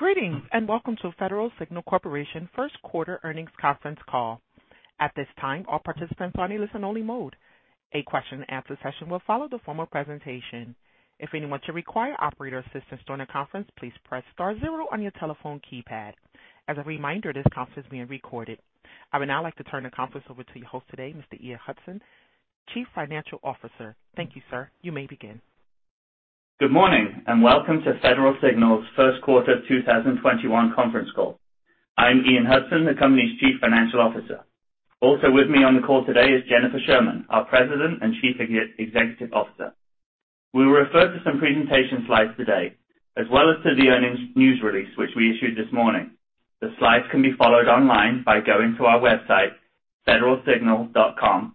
Greetings and welcome to Federal Signal Corporation First Quarter Earnings Conference Call. At this time all participants are in listen-only mode. A question-and-answer session will follow the formal presentation. If anyone requires operator's assistance during the conference please press star zero on your telephone keypad. As a reminder this conference is being recorded. I would now like to turn the conference over to your host today, Mr. Ian Hudson, Chief Financial Officer. Thank you, sir. You may begin. Good morning, welcome to Federal Signal's first quarter 2021 conference call. I'm Ian Hudson, the company's Chief Financial Officer. Also with me on the call today is Jennifer Sherman, our President and Chief Executive Officer. We will refer to some presentation slides today, as well as to the earnings news release, which we issued this morning. The slides can be followed online by going to our website, federalsignal.com,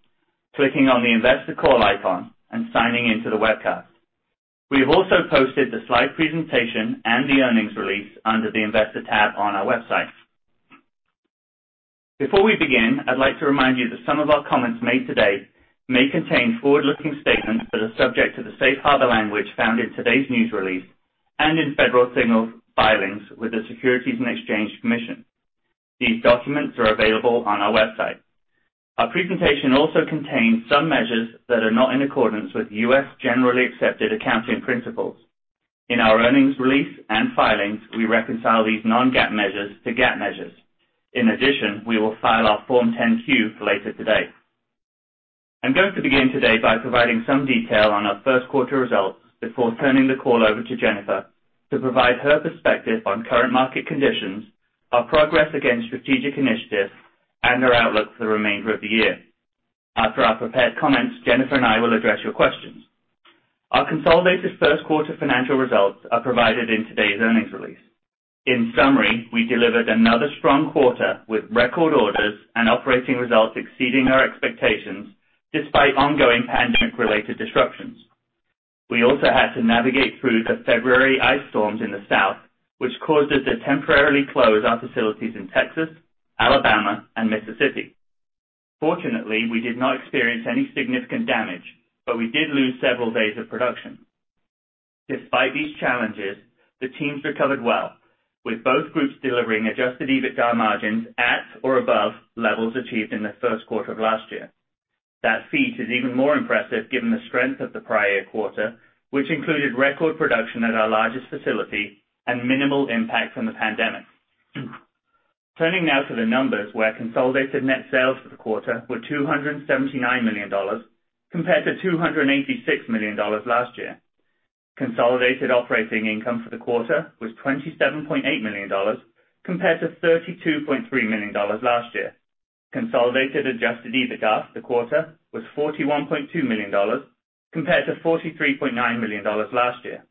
clicking on the investor call icon, and signing in to the webcast. We have also posted the slide presentation and the earnings release under the investor tab on our website. Before we begin, I'd like to remind you that some of our comments made today may contain forward-looking statements that are subject to the safe harbor language found in today's news release and in Federal Signal filings with the Securities and Exchange Commission. These documents are available on our website. Our presentation also contains some measures that are not in accordance with US generally accepted accounting principles. In our earnings release and filings, we reconcile these non-GAAP measures to GAAP measures. In addition, we will file our Form 10-Q later today. I'm going to begin today by providing some detail on our first quarter results before turning the call over to Jennifer to provide her perspective on current market conditions, our progress against strategic initiatives, and our outlook for the remainder of the year. After our prepared comments, Jennifer and I will address your questions. Our consolidated first quarter financial results are provided in today's earnings release. In summary, we delivered another strong quarter with record orders and operating results exceeding our expectations, despite ongoing pandemic-related disruptions. We also had to navigate through the February ice storms in the South, which caused us to temporarily close our facilities in Texas, Alabama, and Mississippi. Fortunately, we did not experience any significant damage, but we did lose several days of production. Despite these challenges, the teams recovered well, with both groups delivering adjusted EBITDA margins at or above levels achieved in the first quarter of last year. That feat is even more impressive given the strength of the prior year quarter, which included record production at our largest facility and minimal impact from the pandemic. Turning now to the numbers, consolidated net sales for the quarter were $279 million compared to $286 million last year. Consolidated operating income for the quarter was $27.8 million compared to $32.3 million last year. Consolidated adjusted EBITDA for the quarter was $41.2 million compared to $43.9 million last year.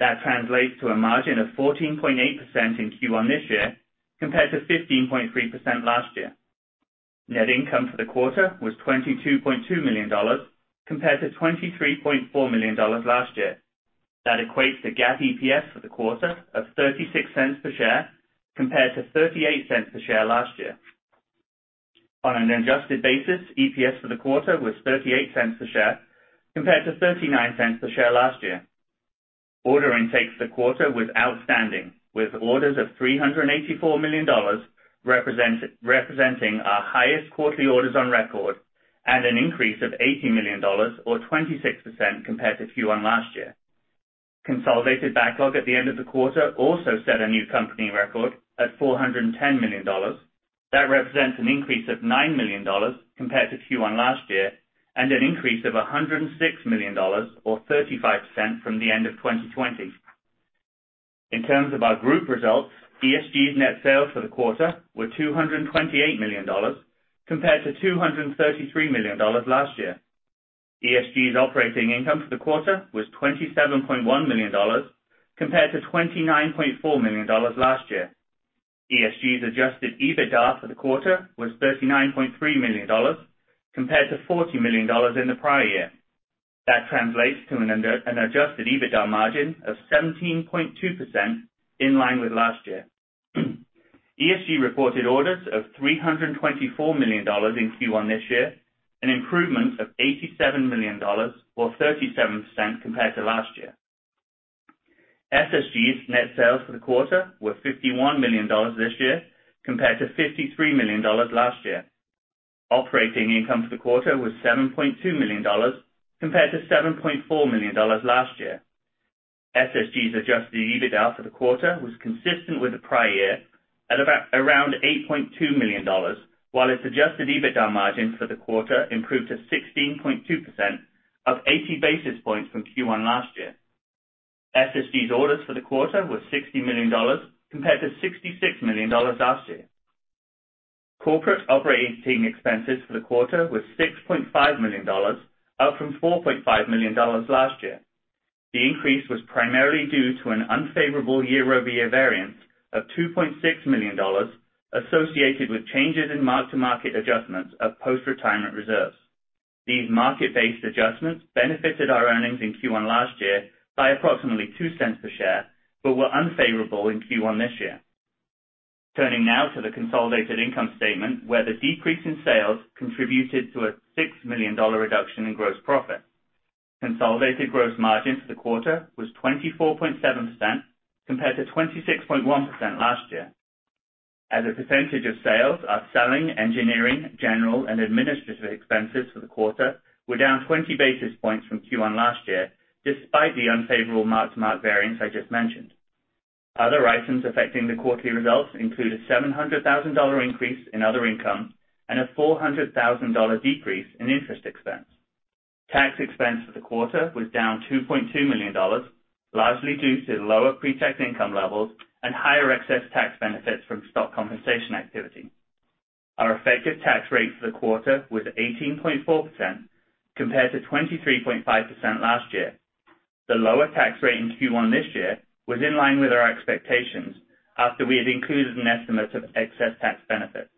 That translates to a margin of 14.8% in Q1 this year, compared to 15.3% last year. Net income for the quarter was $22.2 million compared to $23.4 million last year. That equates to GAAP EPS for the quarter of $0.36 per share compared to $0.38 per share last year. On an adjusted basis, EPS for the quarter was $0.38 a share compared to $0.39 a share last year. Order intake for the quarter was outstanding, with orders of $384 million representing our highest quarterly orders on record and an increase of $80 million or 26% compared to Q1 last year. Consolidated backlog at the end of the quarter also set a new company record at $410 million. That represents an increase of $9 million compared to Q1 last year, and an increase of $106 million or 35% from the end of 2020. In terms of our group results, ESG's net sales for the quarter were $228 million compared to $233 million last year. ESG's operating income for the quarter was $27.1 million compared to $29.4 million last year. ESG's adjusted EBITDA for the quarter was $39.3 million compared to $40 million in the prior year. That translates to an adjusted EBITDA margin of 17.2% in line with last year. ESG reported orders of $324 million in Q1 this year, an improvement of $87 million or 37% compared to last year. SSG's net sales for the quarter were $51 million this year compared to $53 million last year. Operating income for the quarter was $7.2 million compared to $7.4 million last year. SSG's adjusted EBITDA for the quarter was consistent with the prior year at around $8.2 million, while its adjusted EBITDA margin for the quarter improved to 16.2% up 80 basis points from Q1 last year. SSG's orders for the quarter were $60 million compared to $66 million last year. Corporate operating expenses for the quarter were $6.5 million, up from $4.5 million last year. The increase was primarily due to an unfavorable year-over-year variance of $2.6 million associated with changes in mark-to-market adjustments of post-retirement reserves. These market-based adjustments benefited our earnings in Q1 last year by approximately $0.02 per share, but were unfavorable in Q1 this year. Turning now to the consolidated income statement, where the decrease in sales contributed to a $6 million reduction in gross profit. Consolidated gross margin for the quarter was 24.7% compared to 26.1% last year. As a percentage of sales, our selling, engineering, general, and administrative expenses for the quarter were down 20 basis points from Q1 last year, despite the unfavorable mark-to-market variance I just mentioned. Other items affecting the quarterly results include a $700,000 increase in other income and a $400,000 decrease in interest expense. Tax expense for the quarter was down $2.2 million, largely due to lower pre-tax income levels and higher excess tax benefits from stock compensation activity. Our effective tax rate for the quarter was 18.4% compared to 23.5% last year. The lower tax rate in Q1 this year was in line with our expectations after we had included an estimate of excess tax benefits.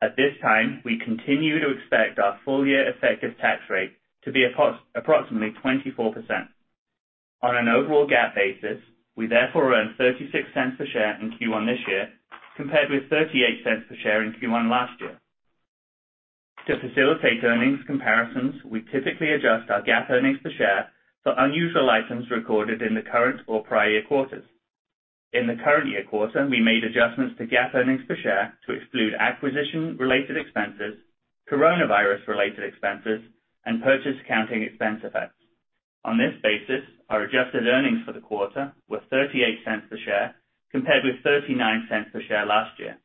At this time, we continue to expect our full-year effective tax rate to be approximately 24%. On an overall GAAP basis, we therefore earned $0.36 per share in Q1 this year, compared with $0.38 per share in Q1 last year. To facilitate earnings comparisons, we typically adjust our GAAP earnings per share for unusual items recorded in the current or prior year quarters. In the current year quarter, we made adjustments to GAAP earnings per share to exclude acquisition-related expenses, coronavirus-related expenses, and purchase accounting expense effects. On this basis, our adjusted earnings for the quarter were $0.38 per share compared with $0.39 per share last year.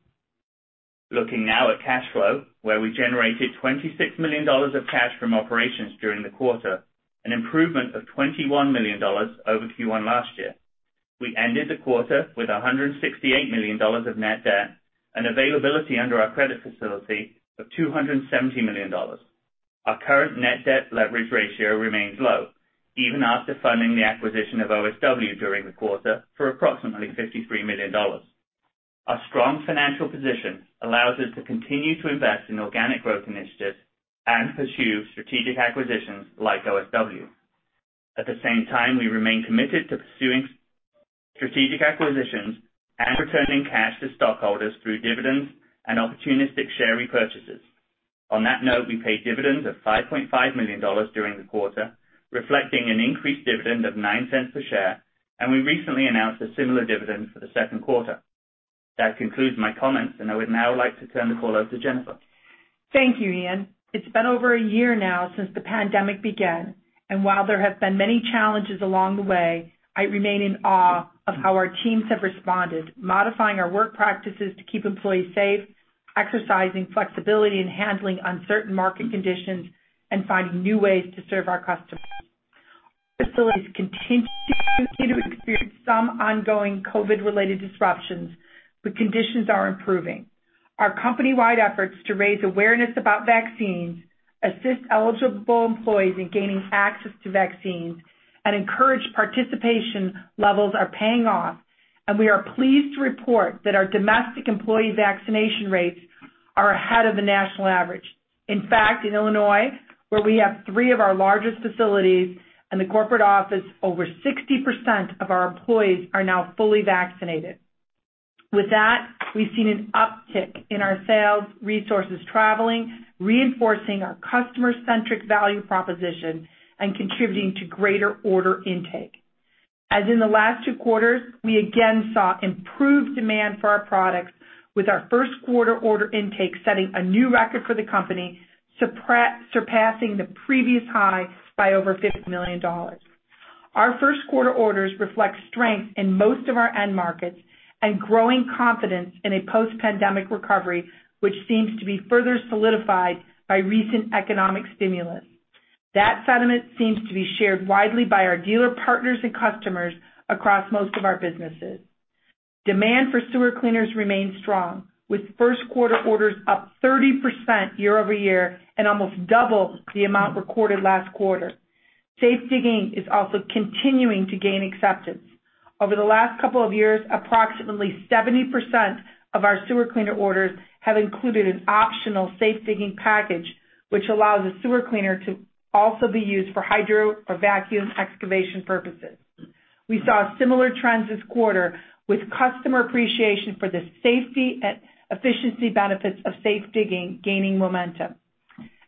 Looking now at cash flow, where we generated $26 million of cash from operations during the quarter, an improvement of $21 million over Q1 last year. We ended the quarter with $168 million of net debt and availability under our credit facility of $270 million. Our current net debt leverage ratio remains low even after funding the acquisition of OSW during the quarter for approximately $53 million. Our strong financial position allows us to continue to invest in organic growth initiatives and pursue strategic acquisitions like OSW. At the same time, we remain committed to pursuing strategic acquisitions and returning cash to stockholders through dividends and opportunistic share repurchases. On that note, we paid dividends of $5.5 million during the quarter, reflecting an increased dividend of $0.09 per share, and we recently announced a similar dividend for the second quarter. That concludes my comments, and I would now like to turn the call over to Jennifer. Thank you, Ian. It's been over a year now since the pandemic began, while there have been many challenges along the way, I remain in awe of how our teams have responded, modifying our work practices to keep employees safe, exercising flexibility in handling uncertain market conditions, and finding new ways to serve our customers. Our facilities continue to experience some ongoing COVID-related disruptions, conditions are improving. Our company-wide efforts to raise awareness about vaccines, assist eligible employees in gaining access to vaccines, and encourage participation levels are paying off, we are pleased to report that our domestic employee vaccination rates are ahead of the national average. In fact, in Illinois, where we have three of our largest facilities and the corporate office, over 60% of our employees are now fully vaccinated. With that, we've seen an uptick in our sales resources traveling, reinforcing our customer-centric value proposition, and contributing to greater order intake. As in the last two quarters, we again saw improved demand for our products with our first quarter order intake setting a new record for the company, surpassing the previous high by over $50 million. Our first quarter orders reflect strength in most of our end markets and growing confidence in a post-pandemic recovery, which seems to be further solidified by recent economic stimulus. That sentiment seems to be shared widely by our dealer partners and customers across most of our businesses. Demand for sewer cleaners remains strong, with first quarter orders up 30% year-over-year and almost double the amount recorded last quarter. Safe digging is also continuing to gain acceptance. Over the last couple of years, approximately 70% of our sewer cleaner orders have included an optional safe digging package, which allows a sewer cleaner to also be used for hydro or vacuum excavation purposes. We saw similar trends this quarter with customer appreciation for the safety and efficiency benefits of safe digging gaining momentum.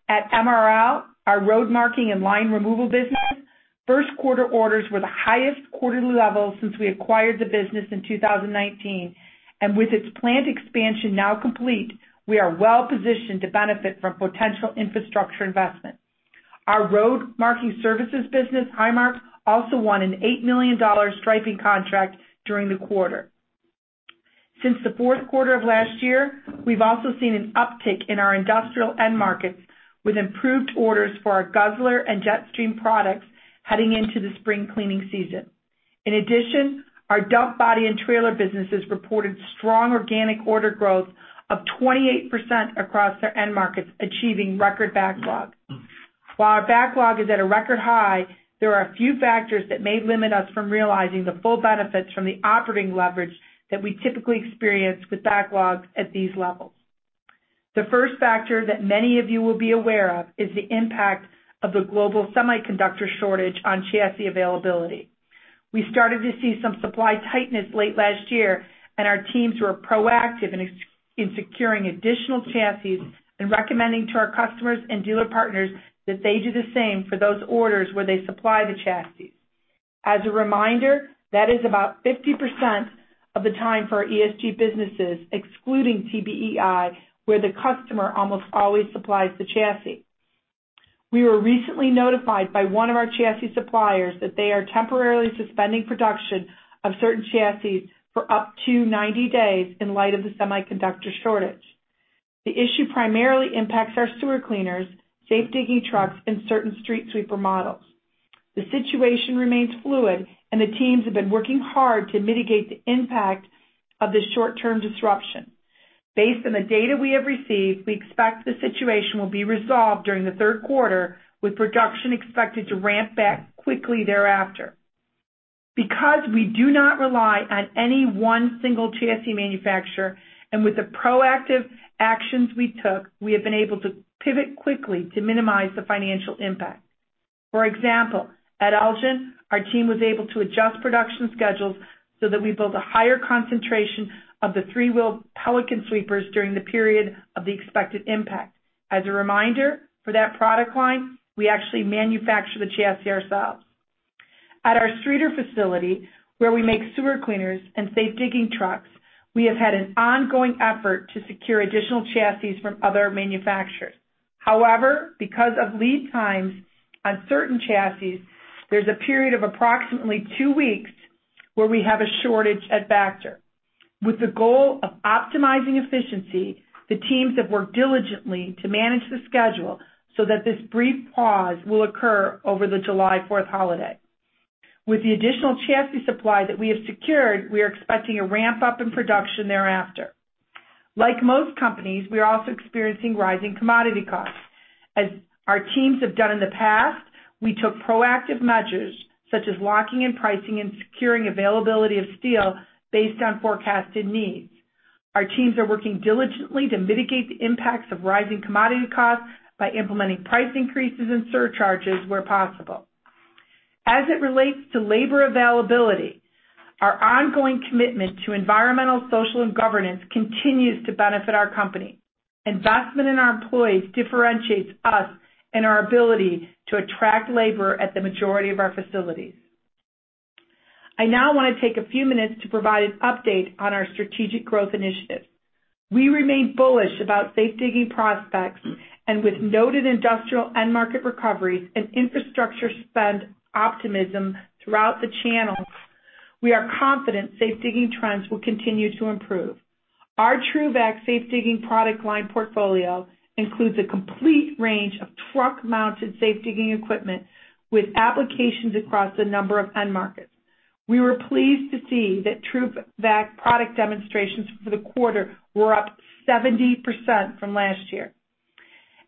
At MRL, our road marking and line removal business, first quarter orders were the highest quarterly level since we acquired the business in 2019, and with its plant expansion now complete, we are well positioned to benefit from potential infrastructure investment. Our road marking services business, Highmark, also won an $8 million striping contract during the quarter. Since the fourth quarter of last year, we've also seen an uptick in our industrial end markets with improved orders for our Guzzler and Jetstream products heading into the spring cleaning season. In addition, our dump body and trailer businesses reported strong organic order growth of 28% across their end markets, achieving record backlog. While our backlog is at a record high, there are a few factors that may limit us from realizing the full benefits from the operating leverage that we typically experience with backlogs at these levels. The first factor that many of you will be aware of is the impact of the global semiconductor shortage on chassis availability. We started to see some supply tightness late last year, and our teams were proactive in securing additional chassis and recommending to our customers and dealer partners that they do the same for those orders where they supply the chassis. As a reminder, that is about 50% of the time for ESG businesses, excluding TBEI, where the customer almost always supplies the chassis. We were recently notified by one of our chassis suppliers that they are temporarily suspending production of certain chassis for up to 90 days in light of the semiconductor shortage. The issue primarily impacts our sewer cleaners, safe digging trucks, and certain street sweeper models. The situation remains fluid, and the teams have been working hard to mitigate the impact of this short-term disruption. Based on the data we have received, we expect the situation will be resolved during the third quarter, with production expected to ramp back quickly thereafter. Because we do not rely on any one single chassis manufacturer, and with the proactive actions we took, we have been able to pivot quickly to minimize the financial impact. For example, at Elgin, our team was able to adjust production schedules so that we build a higher concentration of the three-wheeled Pelican sweepers during the period of the expected impact. As a reminder, for that product line, we actually manufacture the chassis ourselves. At our Streator facility, where we make sewer cleaners and safe digging trucks, we have had an ongoing effort to secure additional chassis from other manufacturers. Because of lead times on certain chassis, there's a period of approximately two weeks where we have a shortage at Vactor. With the goal of optimizing efficiency, the teams have worked diligently to manage the schedule so that this brief pause will occur over the July 4th holiday. With the additional chassis supply that we have secured, we are expecting a ramp-up in production thereafter. Like most companies, we are also experiencing rising commodity costs. As our teams have done in the past, we took proactive measures such as locking in pricing and securing availability of steel based on forecasted needs. Our teams are working diligently to mitigate the impacts of rising commodity costs by implementing price increases and surcharges where possible. As it relates to labor availability, our ongoing commitment to environmental, social, and governance continues to benefit our company. Investment in our employees differentiates us in our ability to attract labor at the majority of our facilities. I now want to take a few minutes to provide an update on our strategic growth initiatives. We remain bullish about safe digging prospects and with noted industrial end market recoveries and infrastructure spend optimism throughout the channels, we are confident safe digging trends will continue to improve. Our TRUVAC safe digging product line portfolio includes a complete range of truck-mounted safe digging equipment with applications across a number of end markets. We were pleased to see that TRUVAC product demonstrations for the quarter were up 70% from last year.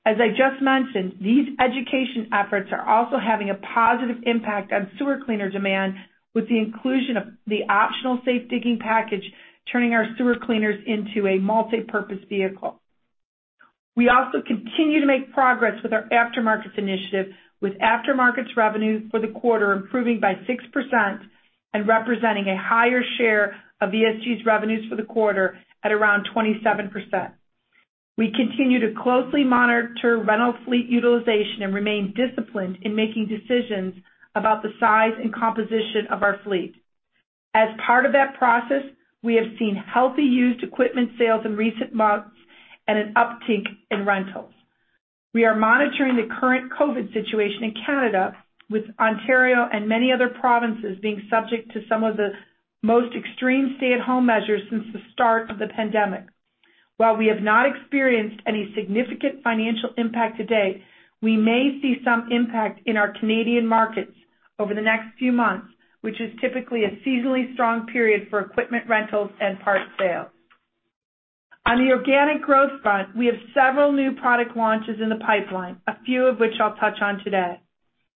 As I just mentioned, these education efforts are also having a positive impact on sewer cleaner demand with the inclusion of the optional safe digging package, turning our sewer cleaners into a multipurpose vehicle. We also continue to make progress with our aftermarkets initiative with aftermarkets revenue for the quarter improving by 6% and representing a higher share of ESG's revenues for the quarter at around 27%. We continue to closely monitor rental fleet utilization and remain disciplined in making decisions about the size and composition of our fleet. As part of that process, we have seen healthy used equipment sales in recent months and an uptick in rentals. We are monitoring the current COVID situation in Canada, with Ontario and many other provinces being subject to some of the most extreme stay-at-home measures since the start of the pandemic. While we have not experienced any significant financial impact to date, we may see some impact in our Canadian markets over the next few months, which is typically a seasonally strong period for equipment rentals and parts sales. On the organic growth front, we have several new product launches in the pipeline, a few of which I'll touch on today.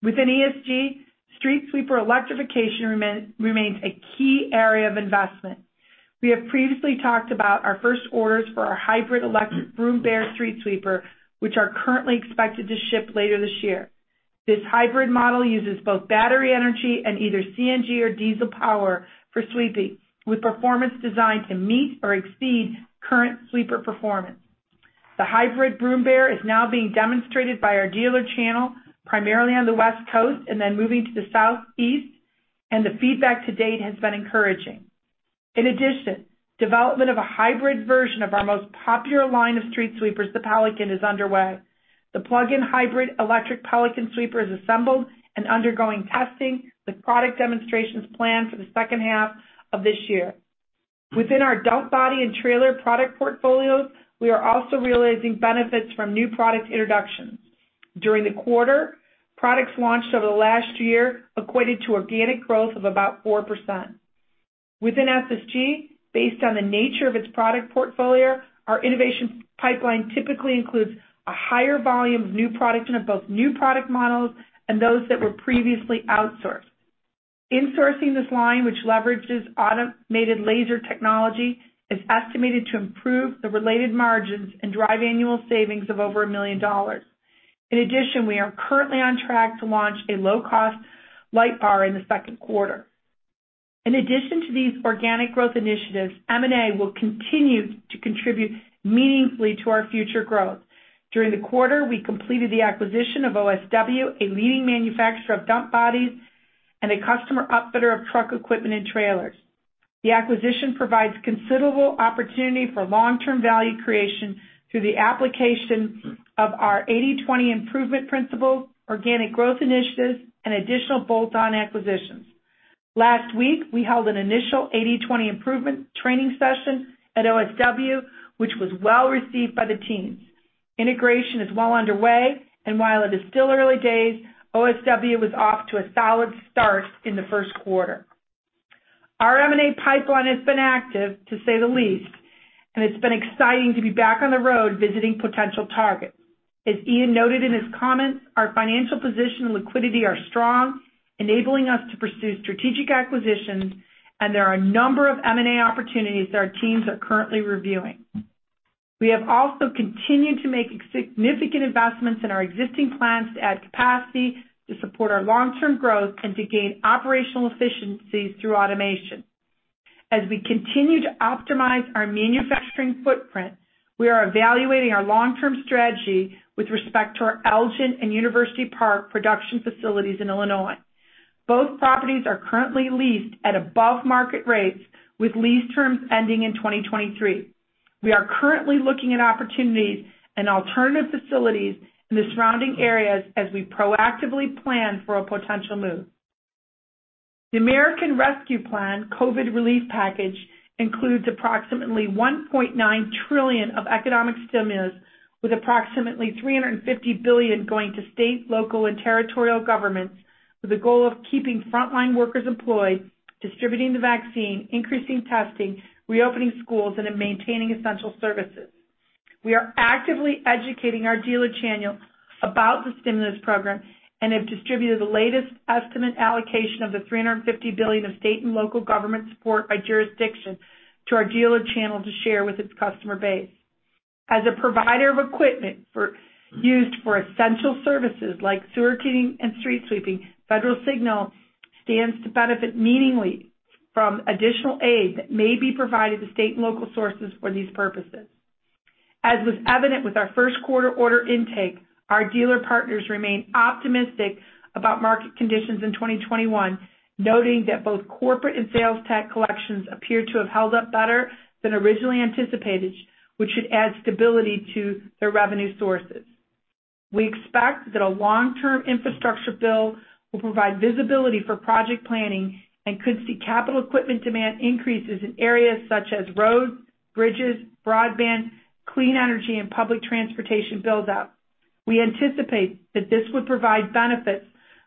Within ESG, street sweeper electrification remains a key area of investment. We have previously talked about our first orders for our hybrid electric Broom Bear street sweeper, which are currently expected to ship later this year. This hybrid model uses both battery energy and either CNG or diesel power for sweeping, with performance designed to meet or exceed current sweeper performance. The hybrid Broom Bear is now being demonstrated by our dealer channel, primarily on the West Coast and then moving to the Southeast, and the feedback to date has been encouraging. In addition, development of a hybrid version of our most popular line of street sweepers, the Pelican, is underway. The plugin hybrid electric Pelican sweeper is assembled and undergoing testing with product demonstrations planned for the second half of this year. Within our dump body and trailer product portfolios, we are also realizing benefits from new product introductions. During the quarter, products launched over the last year equated to organic growth of about 4%. Within SSG, based on the nature of its product portfolio, our innovation pipeline typically includes a higher volume of new production of both new product models and those that were previously outsourced. In-sourcing this line, which leverages automated laser technology, is estimated to improve the related margins and drive annual savings of over $1 million. In addition, we are currently on track to launch a low-cost light bar in the second quarter. In addition to these organic growth initiatives, M&A will continue to contribute meaningfully to our future growth. During the quarter, we completed the acquisition of OSW, a leading manufacturer of dump bodies and a customer outfitter of truck equipment and trailers. The acquisition provides considerable opportunity for long-term value creation through the application of our 80/20 improvement principle, organic growth initiatives, and additional bolt-on acquisitions. Last week, we held an initial 80/20 improvement training session at OSW, which was well-received by the teams. Integration is well underway, and while it is still early days, OSW was off to a solid start in the first quarter. Our M&A pipeline has been active, to say the least, and it's been exciting to be back on the road visiting potential targets. As Ian noted in his comments, our financial position and liquidity are strong, enabling us to pursue strategic acquisitions. There are a number of M&A opportunities that our teams are currently reviewing. We have also continued to make significant investments in our existing plants to add capacity to support our long-term growth and to gain operational efficiencies through automation. As we continue to optimize our manufacturing footprint, we are evaluating our long-term strategy with respect to our Elgin and University Park production facilities in Illinois. Both properties are currently leased at above-market rates with lease terms ending in 2023. We are currently looking at opportunities and alternative facilities in the surrounding areas as we proactively plan for a potential move. The American Rescue Plan COVID relief package includes approximately $1.9 trillion of economic stimulus, with approximately $350 billion going to state, local, and territorial governments with the goal of keeping frontline workers employed, distributing the vaccine, increasing testing, reopening schools, and then maintaining essential services. We are actively educating our dealer channel about the stimulus program and have distributed the latest estimate allocation of the $350 billion of state and local government support by jurisdiction to our dealer channel to share with its customer base. As a provider of equipment used for essential services like sewer cleaning and street sweeping, Federal Signal stands to benefit meaningfully from additional aid that may be provided to state and local sources for these purposes. As was evident with our Q1 order intake, our dealer partners remain optimistic about market conditions in 2021, noting that both corporate and sales tax collections appear to have held up better than originally anticipated, which should add stability to their revenue sources. We expect that a long-term infrastructure bill will provide visibility for project planning and could see capital equipment demand increases in areas such as roads, bridges, broadband, clean energy, and public transportation build-up. We anticipate that this would provide benefits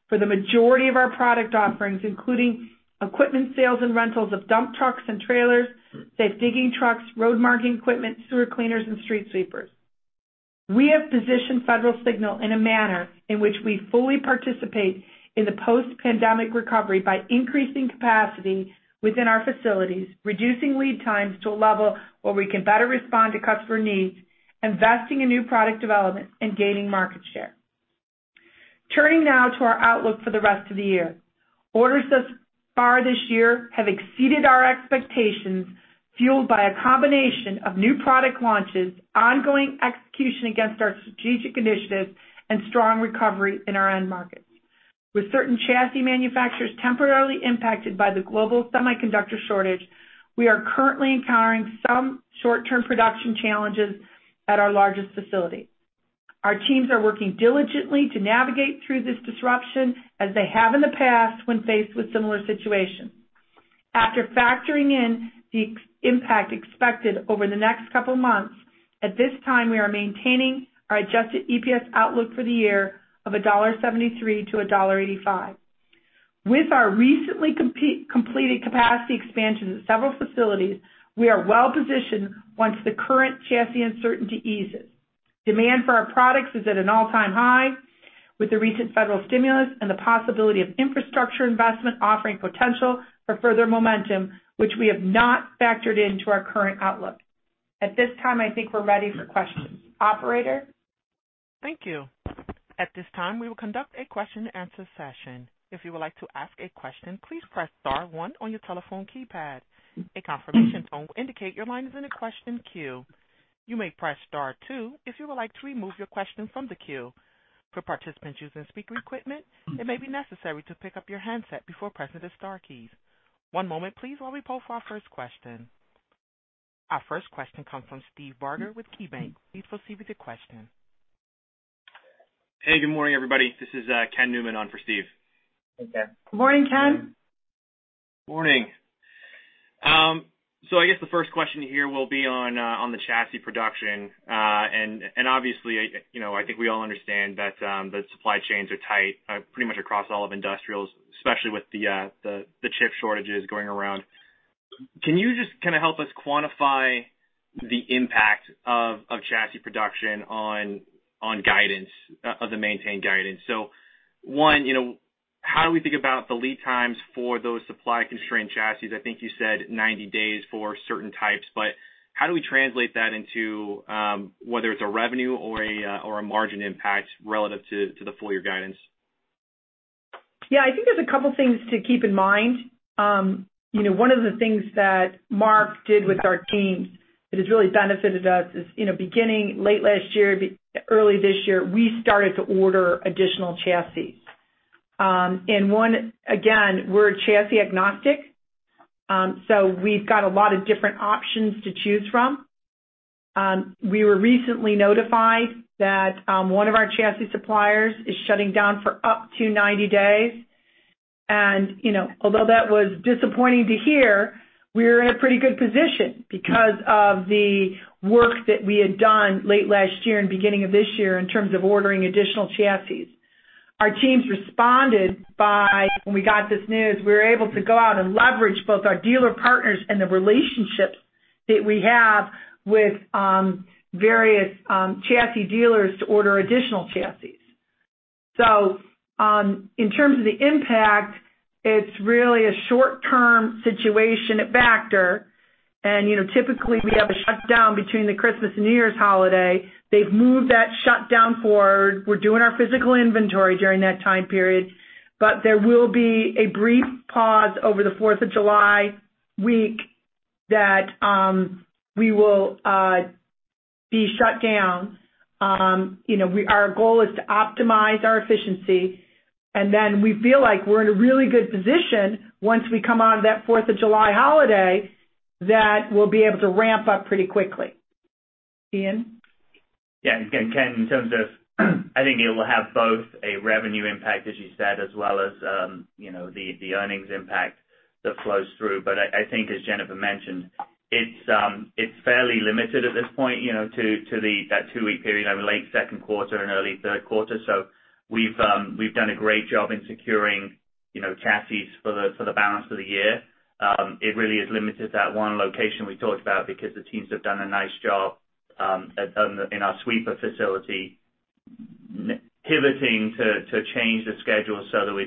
for the majority of our product offerings, including equipment sales and rentals of dump trucks and trailers, safe digging trucks, road marking equipment, sewer cleaners, and street sweepers. We have positioned Federal Signal in a manner in which we fully participate in the post-pandemic recovery by increasing capacity within our facilities, reducing lead times to a level where we can better respond to customer needs, investing in new product development, and gaining market share. Turning now to our outlook for the rest of the year. Orders thus far this year have exceeded our expectations, fueled by a combination of new product launches, ongoing execution against our strategic initiatives, and strong recovery in our end markets. With certain chassis manufacturers temporarily impacted by the global semiconductor shortage, we are currently encountering some short-term production challenges at our largest facility. Our teams are working diligently to navigate through this disruption, as they have in the past when faced with similar situations. After factoring in the impact expected over the next couple of months, at this time, we are maintaining our adjusted EPS outlook for the year of $1.73 to $1.85. With our recently completed capacity expansions at several facilities, we are well-positioned once the current chassis uncertainty eases. Demand for our products is at an all-time high, with the recent federal stimulus and the possibility of infrastructure investment offering potential for further momentum, which we have not factored into our current outlook. At this time, I think we're ready for questions. Operator? Thank you. At this time, we will conduct a question-and-answer session. If you would like to ask a question please press star one on your telephone keypad. A confirmation tone will indicate your line is in the question queue. You may press star two if you would like to remove your question from the queue. For participants using speaker equipment it may be necessary to pick up your handset before pressing the star key. One moment, please, while we poll for our first question. Our first question comes from Steve Barger with KeyBanc. Please proceed with your question. Hey, good morning, everybody. This is Ken Newman on for Steve. Hey, Ken. Good morning, Ken. Morning. I guess the first question here will be on the chassis production. Obviously, I think we all understand that supply chains are tight pretty much across all of industrials, especially with the chip shortages going around. Can you just help us quantify the impact of chassis production on the maintained guidance? How do we think about the lead times for those supply-constrained chassis? I think you said 90 days for certain types, but how do we translate that into whether it's a revenue or a margin impact relative to the full year guidance? Yeah, I think there's a couple things to keep in mind. One of the things that Mark did with our teams that has really benefited us is, beginning late last year, early this year, we started to order additional chassis. One, again, we're chassis agnostic, so we've got a lot of different options to choose from. We were recently notified that one of our chassis suppliers is shutting down for up to 90 days. Although that was disappointing to hear, we're in a pretty good position because of the work that we had done late last year and beginning of this year in terms of ordering additional chassis. Our teams responded by, when we got this news, we were able to go out and leverage both our dealer partners and the relationships that we have with various chassis dealers to order additional chassis. In terms of the impact, it's really a short-term situation at Bachner, and typically we have a shutdown between the Christmas and New Year's holiday. They've moved that shutdown forward. We're doing our physical inventory during that time period. There will be a brief pause over the 4th of July week that we will be shut down. Our goal is to optimize our efficiency. Then we feel like we're in a really good position once we come out of that 4th of July holiday, that we'll be able to ramp up pretty quickly. Ian? Yeah. Ken, in terms of, I think it will have both a revenue impact, as you said, as well as the earnings impact that flows through. I think, as Jennifer mentioned, it's fairly limited at this point to that two-week period, late second quarter and early third quarter. We've done a great job in securing chassis for the balance of the year. It really is limited to that one location we talked about because the teams have done a nice job in our sweeper facility, pivoting to change the schedule so that we're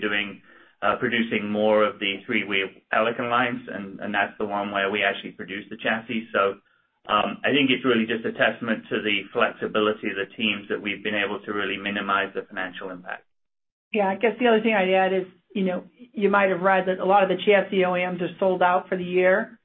producing more of the three-wheel Pelican lines, and that's the one where we actually produce the chassis. I think it's really just a testament to the flexibility of the teams that we've been able to really minimize the financial impact. Yeah, I guess the other thing I'd add is, you might have read that a lot of the chassis OEMs are sold out for the year.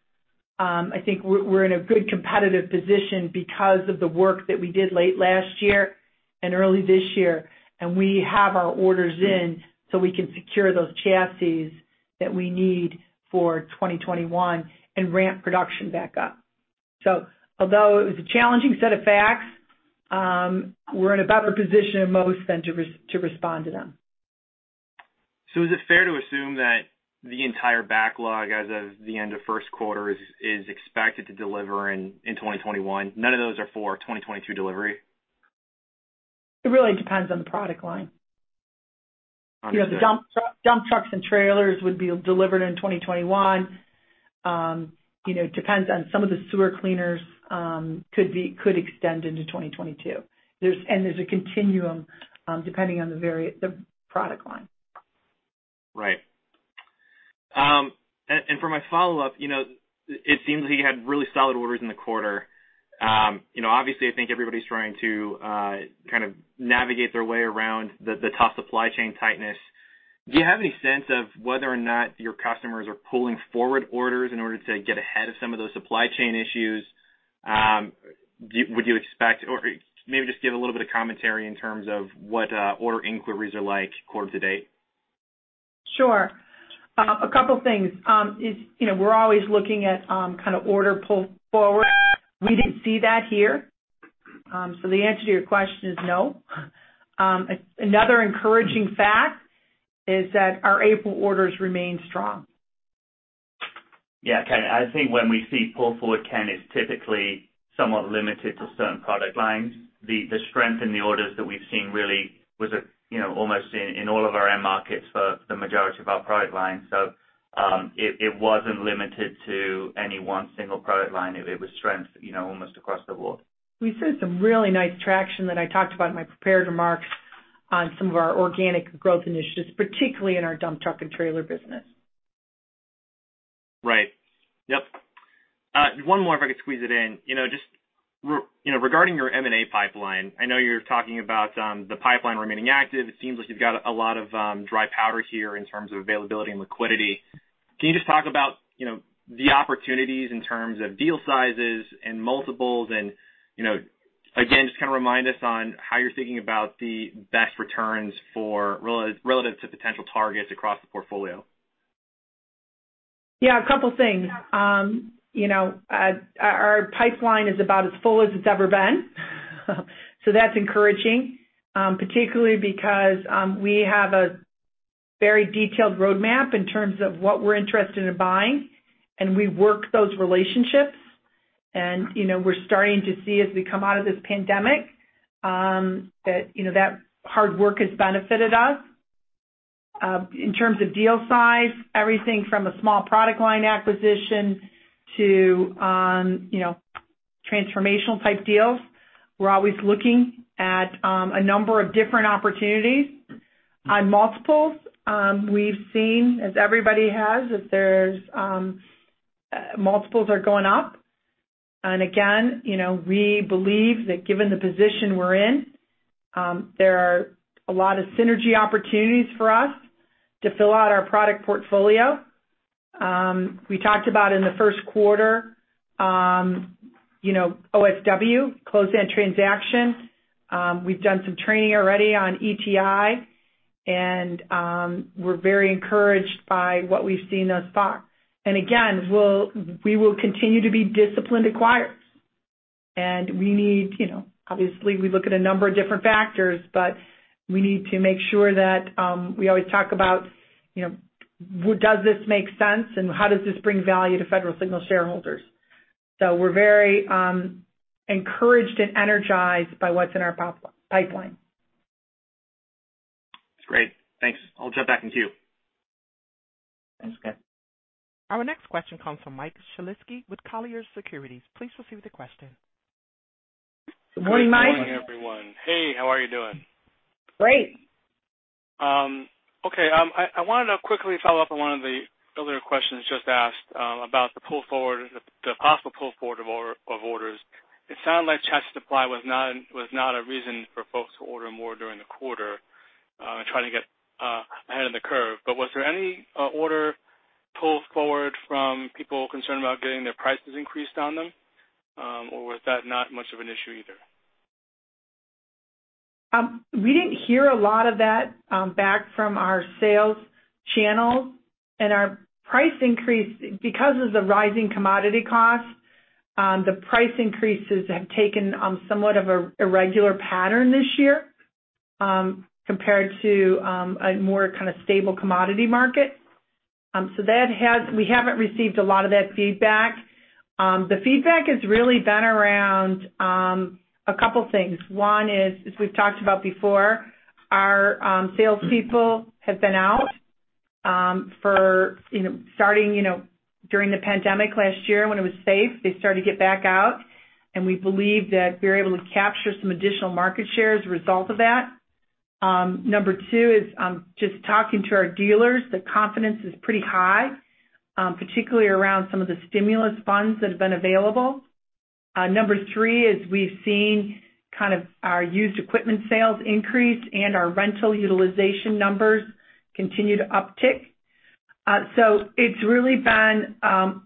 I think we're in a good competitive position because of the work that we did late last year and early this year, and we have our orders in, so we can secure those chassis that we need for 2021 and ramp production back up. Although it was a challenging set of facts, we're in a better position than most to respond to them. Is it fair to assume that the entire backlog as of the end of Q1 is expected to deliver in 2021? None of those are for 2023 delivery? It really depends on the product line. Understood. The dump trucks and trailers would be delivered in 2021. Depends on some of the sewer cleaners, could extend into 2022. There's a continuum depending on the product line. Right. For my follow-up, it seems that you had really solid orders in the quarter. Obviously, I think everybody's trying to navigate their way around the tough supply chain tightness. Do you have any sense of whether or not your customers are pulling forward orders in order to get ahead of some of those supply chain issues? Would you expect, or maybe just give a little bit of commentary in terms of what order inquiries are like quarter-to-date? Sure. A couple things. We're always looking at order pull forward. We didn't see that here. The answer to your question is no. Another encouraging fact is that our April orders remain strong. Yeah, Ken, I think when we see pull forward, Ken, it's typically somewhat limited to certain product lines. The strength in the orders that we've seen really was almost in all of our end markets for the majority of our product lines. It wasn't limited to any one single product line. It was strength almost across the board. We've seen some really nice traction that I talked about in my prepared remarks on some of our organic growth initiatives, particularly in our dump truck and trailer business. Right. Yep. One more, if I could squeeze it in. Just regarding your M&A pipeline, I know you're talking about the pipeline remaining active. It seems like you've got a lot of dry powder here in terms of availability and liquidity. Can you just talk about the opportunities in terms of deal sizes and multiples and, again, just remind us on how you're thinking about the best returns relative to potential targets across the portfolio? A couple things. Our pipeline is about as full as it's ever been. That's encouraging, particularly because we have a very detailed roadmap in terms of what we're interested in buying, and we work those relationships and we're starting to see as we come out of this pandemic, that hard work has benefited us. In terms of deal size, everything from a small product line acquisition to transformational type deals. We're always looking at a number of different opportunities. On multiples, we've seen, as everybody has, that multiples are going up. Again, we believe that given the position we're in, there are a lot of synergy opportunities for us to fill out our product portfolio. We talked about in the first quarter, OSW closed-end transaction. We've done some training already on ETI, and we're very encouraged by what we've seen thus far. Again, we will continue to be disciplined acquirers. Obviously, we look at a number of different factors, but we need to make sure that we always talk about, does this make sense and how does this bring value to Federal Signal shareholders? We're very encouraged and energized by what's in our pipeline. That's great. Thanks. I'll jump back in queue. Thanks. Our next question comes from Mike Shlisky with Colliers Securities. Please proceed with your question. Good morning, Mike. Good morning, everyone. Hey, how are you doing? Great. Okay. I wanted to quickly follow up on one of the earlier questions just asked about the possible pull forward of orders. It sounded like chassis supply was not a reason for folks to order more during the quarter and trying to get ahead of the curve. Was there any order pulled forward from people concerned about getting their prices increased on them? Was that not much of an issue either? We didn't hear a lot of that back from our sales channel. Our price increase, because of the rising commodity cost, the price increases have taken somewhat of a irregular pattern this year compared to a more stable commodity market. We haven't received a lot of that feedback. The feedback has really been around a couple things. One is, as we've talked about before, our salespeople have been out. During the pandemic last year, when it was safe, they started to get back out, and we believe that we were able to capture some additional market share as a result of that. Number two is just talking to our dealers. The confidence is pretty high, particularly around some of the stimulus funds that have been available. Number three is we've seen our used equipment sales increase and our rental utilization numbers continue to uptick. It's really been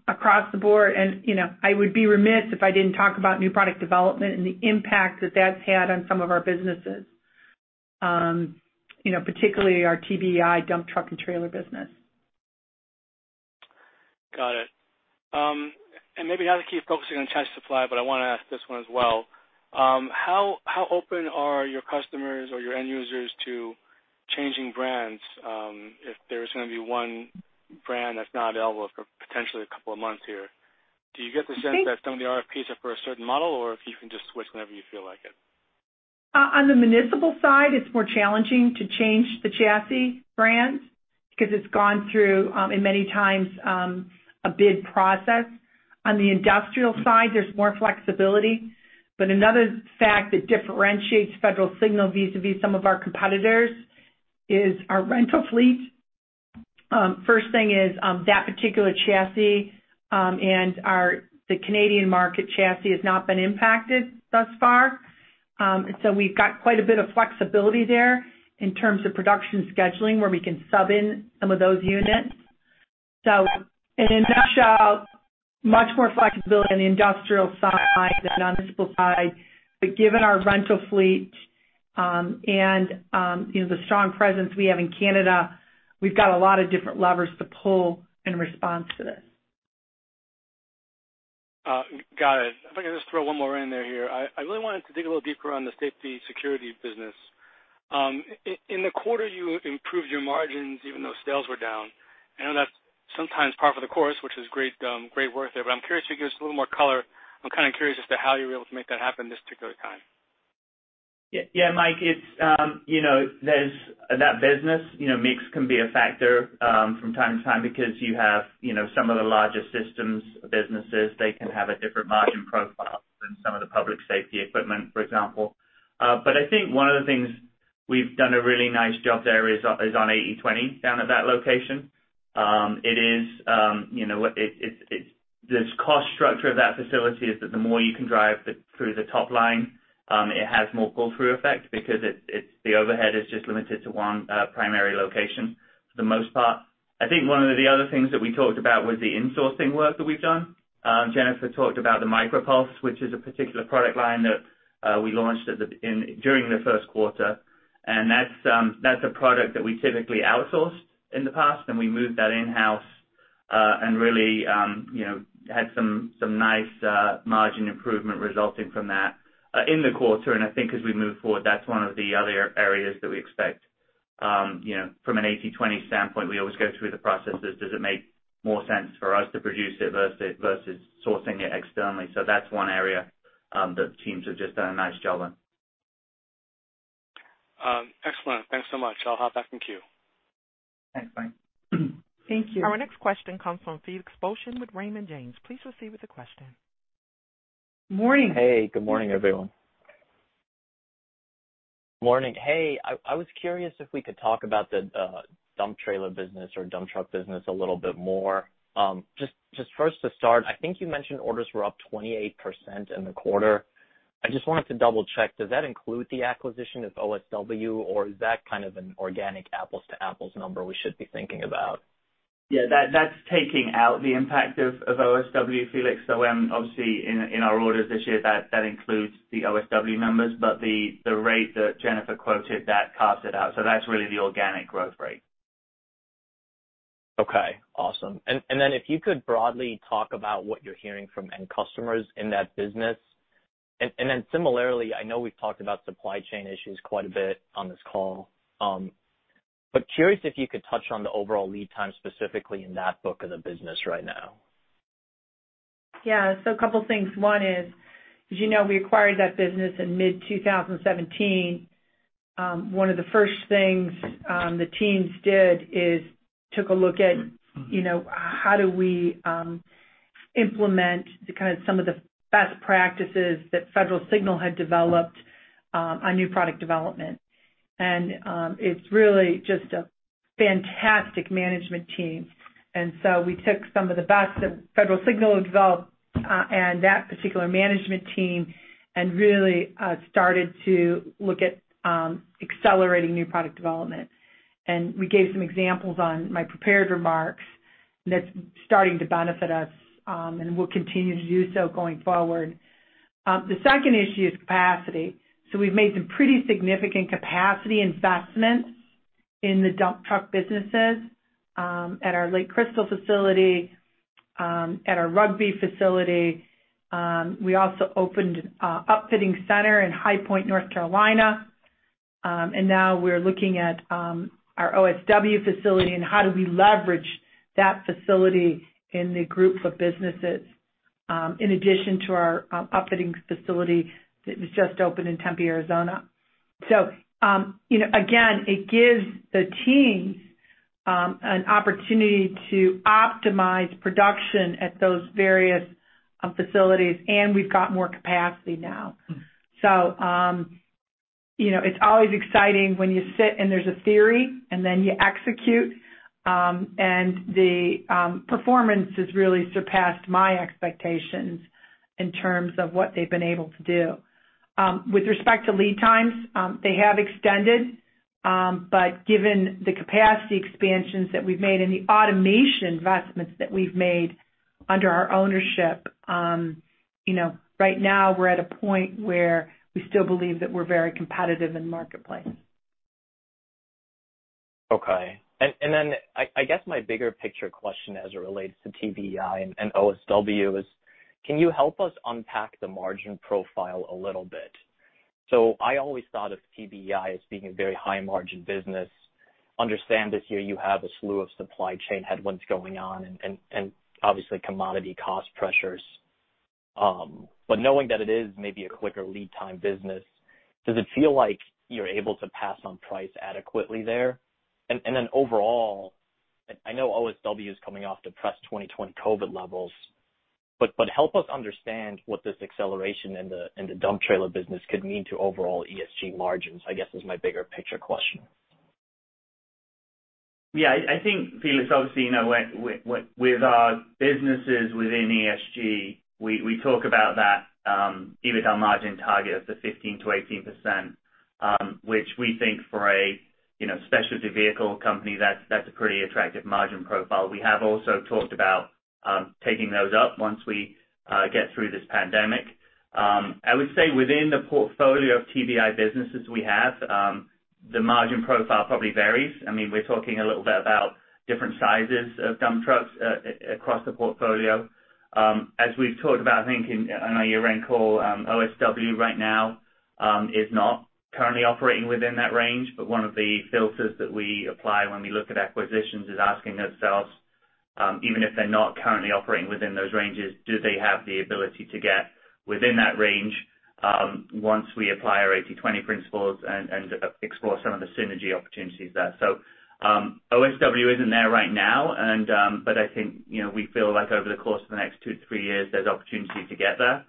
across the board, and I would be remiss if I didn't talk about new product development and the impact that that's had on some of our businesses, particularly our TBEI dump truck and trailer business. Got it. Maybe not to keep focusing on chassis supply, but I want to ask this one as well. How open are your customers or your end users to changing brands if there's going to be one brand that's not available for potentially a couple of months here? Do you get the sense that some of the RFPs are for a certain model or if you can just switch whenever you feel like it? On the municipal side, it's more challenging to change the chassis brands because it's gone through in many times, a bid process. On the industrial side, there's more flexibility. Another fact that differentiates Federal Signal vis-a-vis some of our competitors is our rental fleet. First thing is that particular chassis and the Canadian market chassis has not been impacted thus far. We've got quite a bit of flexibility there in terms of production scheduling, where we can sub in some of those units. In a nutshell, much more flexibility on the industrial side than municipal side. Given our rental fleet and the strong presence we have in Canada, we've got a lot of different levers to pull in response to this. Got it. If I can just throw one more in there here. I really wanted to dig a little deeper on the safety security business. In the quarter, you improved your margins even though sales were down. I know that's sometimes par for the course, which is great work there, but I'm curious if you could give us a little more color. I'm kind of curious as to how you were able to make that happen this particular time. Mike, in that business, mix can be a factor from time to time because you have some of the larger systems businesses. They can have a different margin profile than some of the public safety equipment, for example. I think one of the things we've done a really nice job there is on 80/20 down at that location. The cost structure of that facility is that the more you can drive through the top line, it has more pull-through effect because the overhead is just limited to one primary location for the most part. I think one of the other things that we talked about was the insourcing work that we've done. Jennifer talked about the MicroPulse, which is a particular product line that we launched during the first quarter. That's a product that we typically outsourced in the past, we moved that in-house, and really had some nice margin improvement resulting from that in the quarter. I think as we move forward, that's one of the other areas that we expect. From an 80/20 standpoint, we always go through the processes. Does it make more sense for us to produce it versus sourcing it externally? That's one area. The teams have done a nice job. Excellent. Thanks so much. I'll hop back in queue. Thanks, Mike. Thank you. Our next question comes from Felix Boeschen with Raymond James. Please proceed with the question. Morning. Hey, good morning, everyone. Morning. Hey, I was curious if we could talk about the dump trailer business or dump truck business a little bit more. Just first to start, I think you mentioned orders were up 28% in the quarter. I just wanted to double-check, does that include the acquisition of OSW, or is that kind of an organic apples-to-apples number we should be thinking about? Yeah, that's taking out the impact of OSW, Felix. Obviously, in our orders this year, that includes the OSW numbers, but the rate that Jennifer quoted, that carves it out. That's really the organic growth rate. Okay. Awesome. If you could broadly talk about what you're hearing from end customers in that business. Similarly, I know we've talked about supply chain issues quite a bit on this call. Curious if you could touch on the overall lead time specifically in that book of the business right now. A couple things. One is, as you know, we acquired that business in mid-2017. One of the first things the teams did is took a look at how do we implement some of the best practices that Federal Signal had developed on New Product Development. It's really just a fantastic management team. We took some of the best that Federal Signal had developed and that particular management team and really started to look at accelerating New Product Development. We gave some examples on my prepared remarks, and that's starting to benefit us, and will continue to do so going forward. The second issue is capacity. We've made some pretty significant capacity investments in the dump truck businesses at our Lake Crystal facility, at our Rugby facility. We also opened an upfitting center in High Point, North Carolina. Now we're looking at our OSW facility and how do we leverage that facility in the group of businesses, in addition to our upfitting facility that was just opened in Tempe, Arizona. Again, it gives the teams an opportunity to optimize production at those various facilities, and we've got more capacity now. It's always exciting when you sit and there's a theory, and then you execute. The performance has really surpassed my expectations in terms of what they've been able to do. With respect to lead times, they have extended. Given the capacity expansions that we've made and the automation investments that we've made under our ownership, right now we're at a point where we still believe that we're very competitive in the marketplace. Okay. I guess my bigger picture question as it relates to TBEI and OSW is, can you help us unpack the margin profile a little bit? I always thought of TBEI as being a very high margin business. Understand this year you have a slew of supply chain headwinds going on and obviously commodity cost pressures. Knowing that it is maybe a quicker lead time business, does it feel like you're able to pass on price adequately there? Overall, I know OSW is coming off depressed 2020 COVID levels, but help us understand what this acceleration in the dump trailer business could mean to overall ESG margins, I guess is my bigger picture question. Yeah, I think, Felix, obviously, with our businesses within ESG, we talk about that EBITDA margin target of the 15%-18%, which we think for a specialty vehicle company, that's a pretty attractive margin profile. We have also talked about taking those up once we get through this pandemic. I would say within the portfolio of TBEI businesses we have, the margin profile probably varies. We're talking a little bit about different sizes of dump trucks across the portfolio. As we've talked about, I think in our year-end call, OSW right now is not currently operating within that range. One of the filters that we apply when we look at acquisitions is asking ourselves, even if they're not currently operating within those ranges, do they have the ability to get within that range once we apply our 80/20 principles and explore some of the synergy opportunities there? OSW isn't there right now, but I think we feel like over the course of the next two to three years, there's opportunity to get there.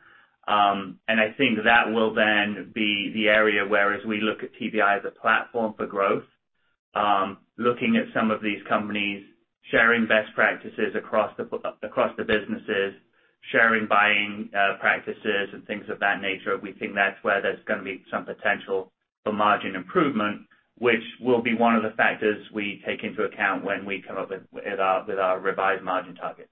I think that will then be the area whereas we look at TBEI as a platform for growth. Looking at some of these companies, sharing best practices across the businesses, sharing buying practices, and things of that nature. We think that's where there's going to be some potential for margin improvement, which will be one of the factors we take into account when we come up with our revised margin targets.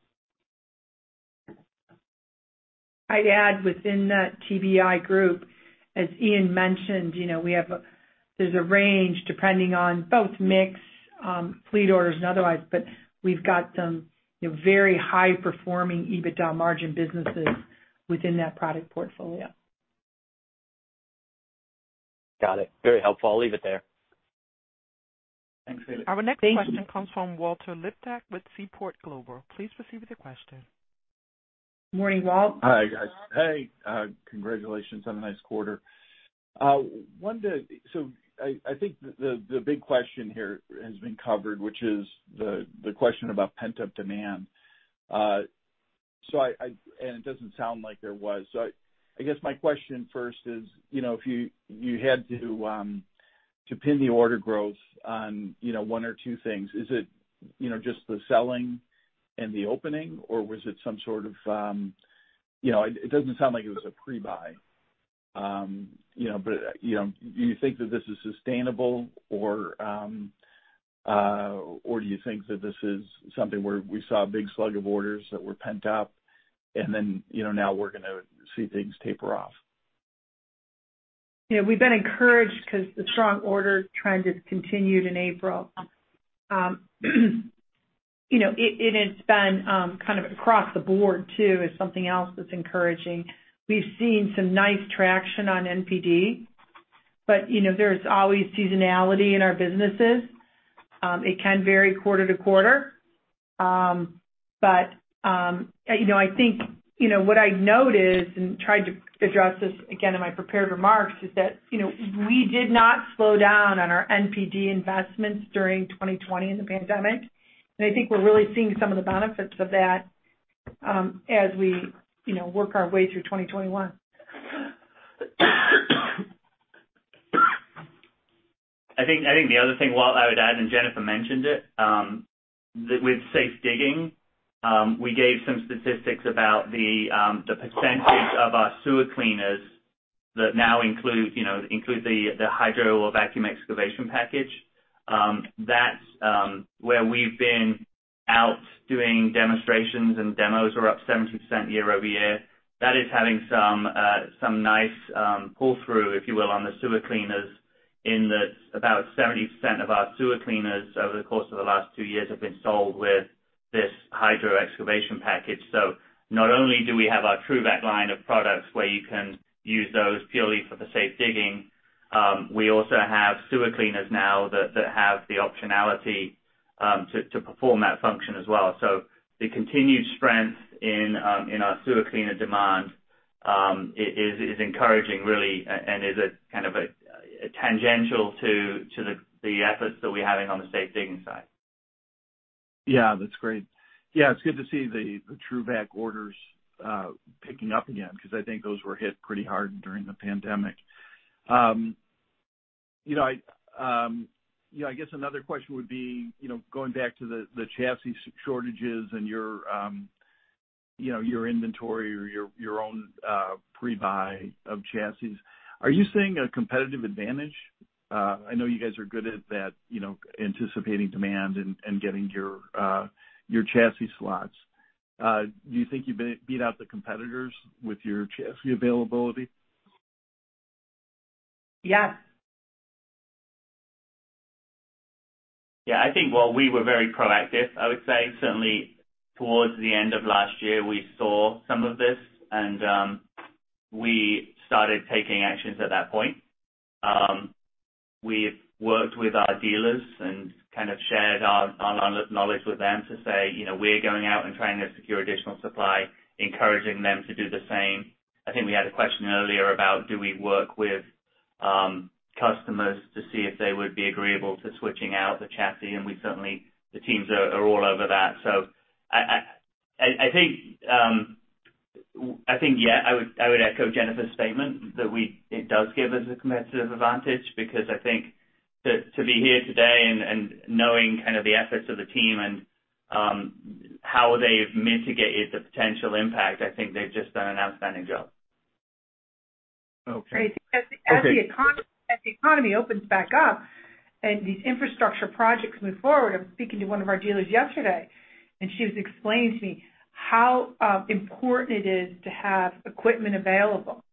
I'd add within that TBEI group, as Ian mentioned, there's a range depending on both mix, fleet orders, and otherwise, but we've got some very high performing EBITDA margin businesses within that product portfolio. Got it. Very helpful. I'll leave it there. Thanks, Felix Boeschen. Thank you. Our next question comes from Walter Liptak with Seaport Global. Please proceed with your question. Morning, Walt. Hi, guys. Hey, congratulations on a nice quarter. I think the big question here has been covered, which is the question about pent-up demand. It doesn't sound like there was. I guess my question first is, if you had to pin the order growth on one or two things, is it just the selling and the opening, or was it some sort of. It doesn't sound like it was a pre-buy. Do you think that this is sustainable, or do you think that this is something where we saw a big slug of orders that were pent up and then now we're gonna see things taper off? We've been encouraged because the strong order trend has continued in April. It's been kind of across the board, too, is something else that's encouraging. We've seen some nice traction on NPD, but there's always seasonality in our businesses. It can vary quarter-to-quarter. I think what I've noticed, and tried to address this again in my prepared remarks, is that we did not slow down on our NPD investments during 2020 in the pandemic. I think we're really seeing some of the benefits of that as we work our way through 2021. I think the other thing, Walt, I would add, and Jennifer mentioned it, that with safe digging, we gave some statistics about the percentage of our sewer cleaners that now include the hydro or vacuum excavation package. That's where we've been out doing demonstrations, and demos are up 70% year-over-year. That is having some nice pull-through, if you will, on the sewer cleaners in that about 70% of our sewer cleaners over the course of the last two years have been sold with this hydro excavation package. Not only do we have our TRUVAC line of products where you can use those purely for the safe digging, we also have sewer cleaners now that have the optionality to perform that function as well. The continued strength in our sewer cleaner demand is encouraging really, and is a kind of a tangential to the efforts that we're having on the safe digging side. That's great. It's good to see the TRUVAC orders picking up again, because I think those were hit pretty hard during the pandemic. I guess another question would be going back to the chassis shortages and your inventory or your own pre-buy of chassis. Are you seeing a competitive advantage? I know you guys are good at that, anticipating demand and getting your chassis slots. Do you think you beat out the competitors with your chassis availability? Yes. Yeah, I think, Walt, we were very proactive. I would say certainly towards the end of last year, we saw some of this and we started taking actions at that point. We've worked with our dealers and kind of shared our knowledge with them to say, We're going out and trying to secure additional supply, encouraging them to do the same. I think we had a question earlier about do we work with customers to see if they would be agreeable to switching out the chassis, and we certainly, the teams are all over that. I think, yeah, I would echo Jennifer's statement that it does give us a competitive advantage because I think to be here today and knowing kind of the efforts of the team and how they've mitigated the potential impact, I think they've just done an outstanding job. Okay. As the economy opens back up and these infrastructure projects move forward, I was speaking to one of our dealers yesterday, and she was explaining to me how important it is to have equipment available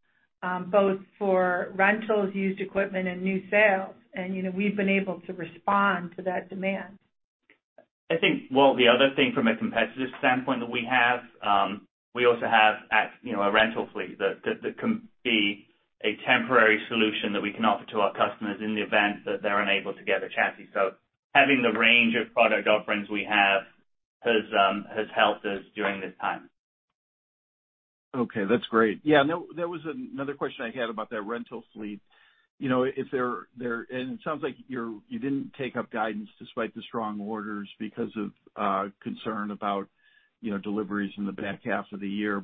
both for rentals, used equipment, and new sales, and we've been able to respond to that demand. I think, Walt, the other thing from a competitive standpoint that we have, we also have a rental fleet that can be a temporary solution that we can offer to our customers in the event that they're unable to get a chassis. Having the range of product offerings we have has helped us during this time. Okay, that's great. Yeah, there was another question I had about that rental fleet. It sounds like you didn't take up guidance despite the strong orders because of concern about deliveries in the back half of the year.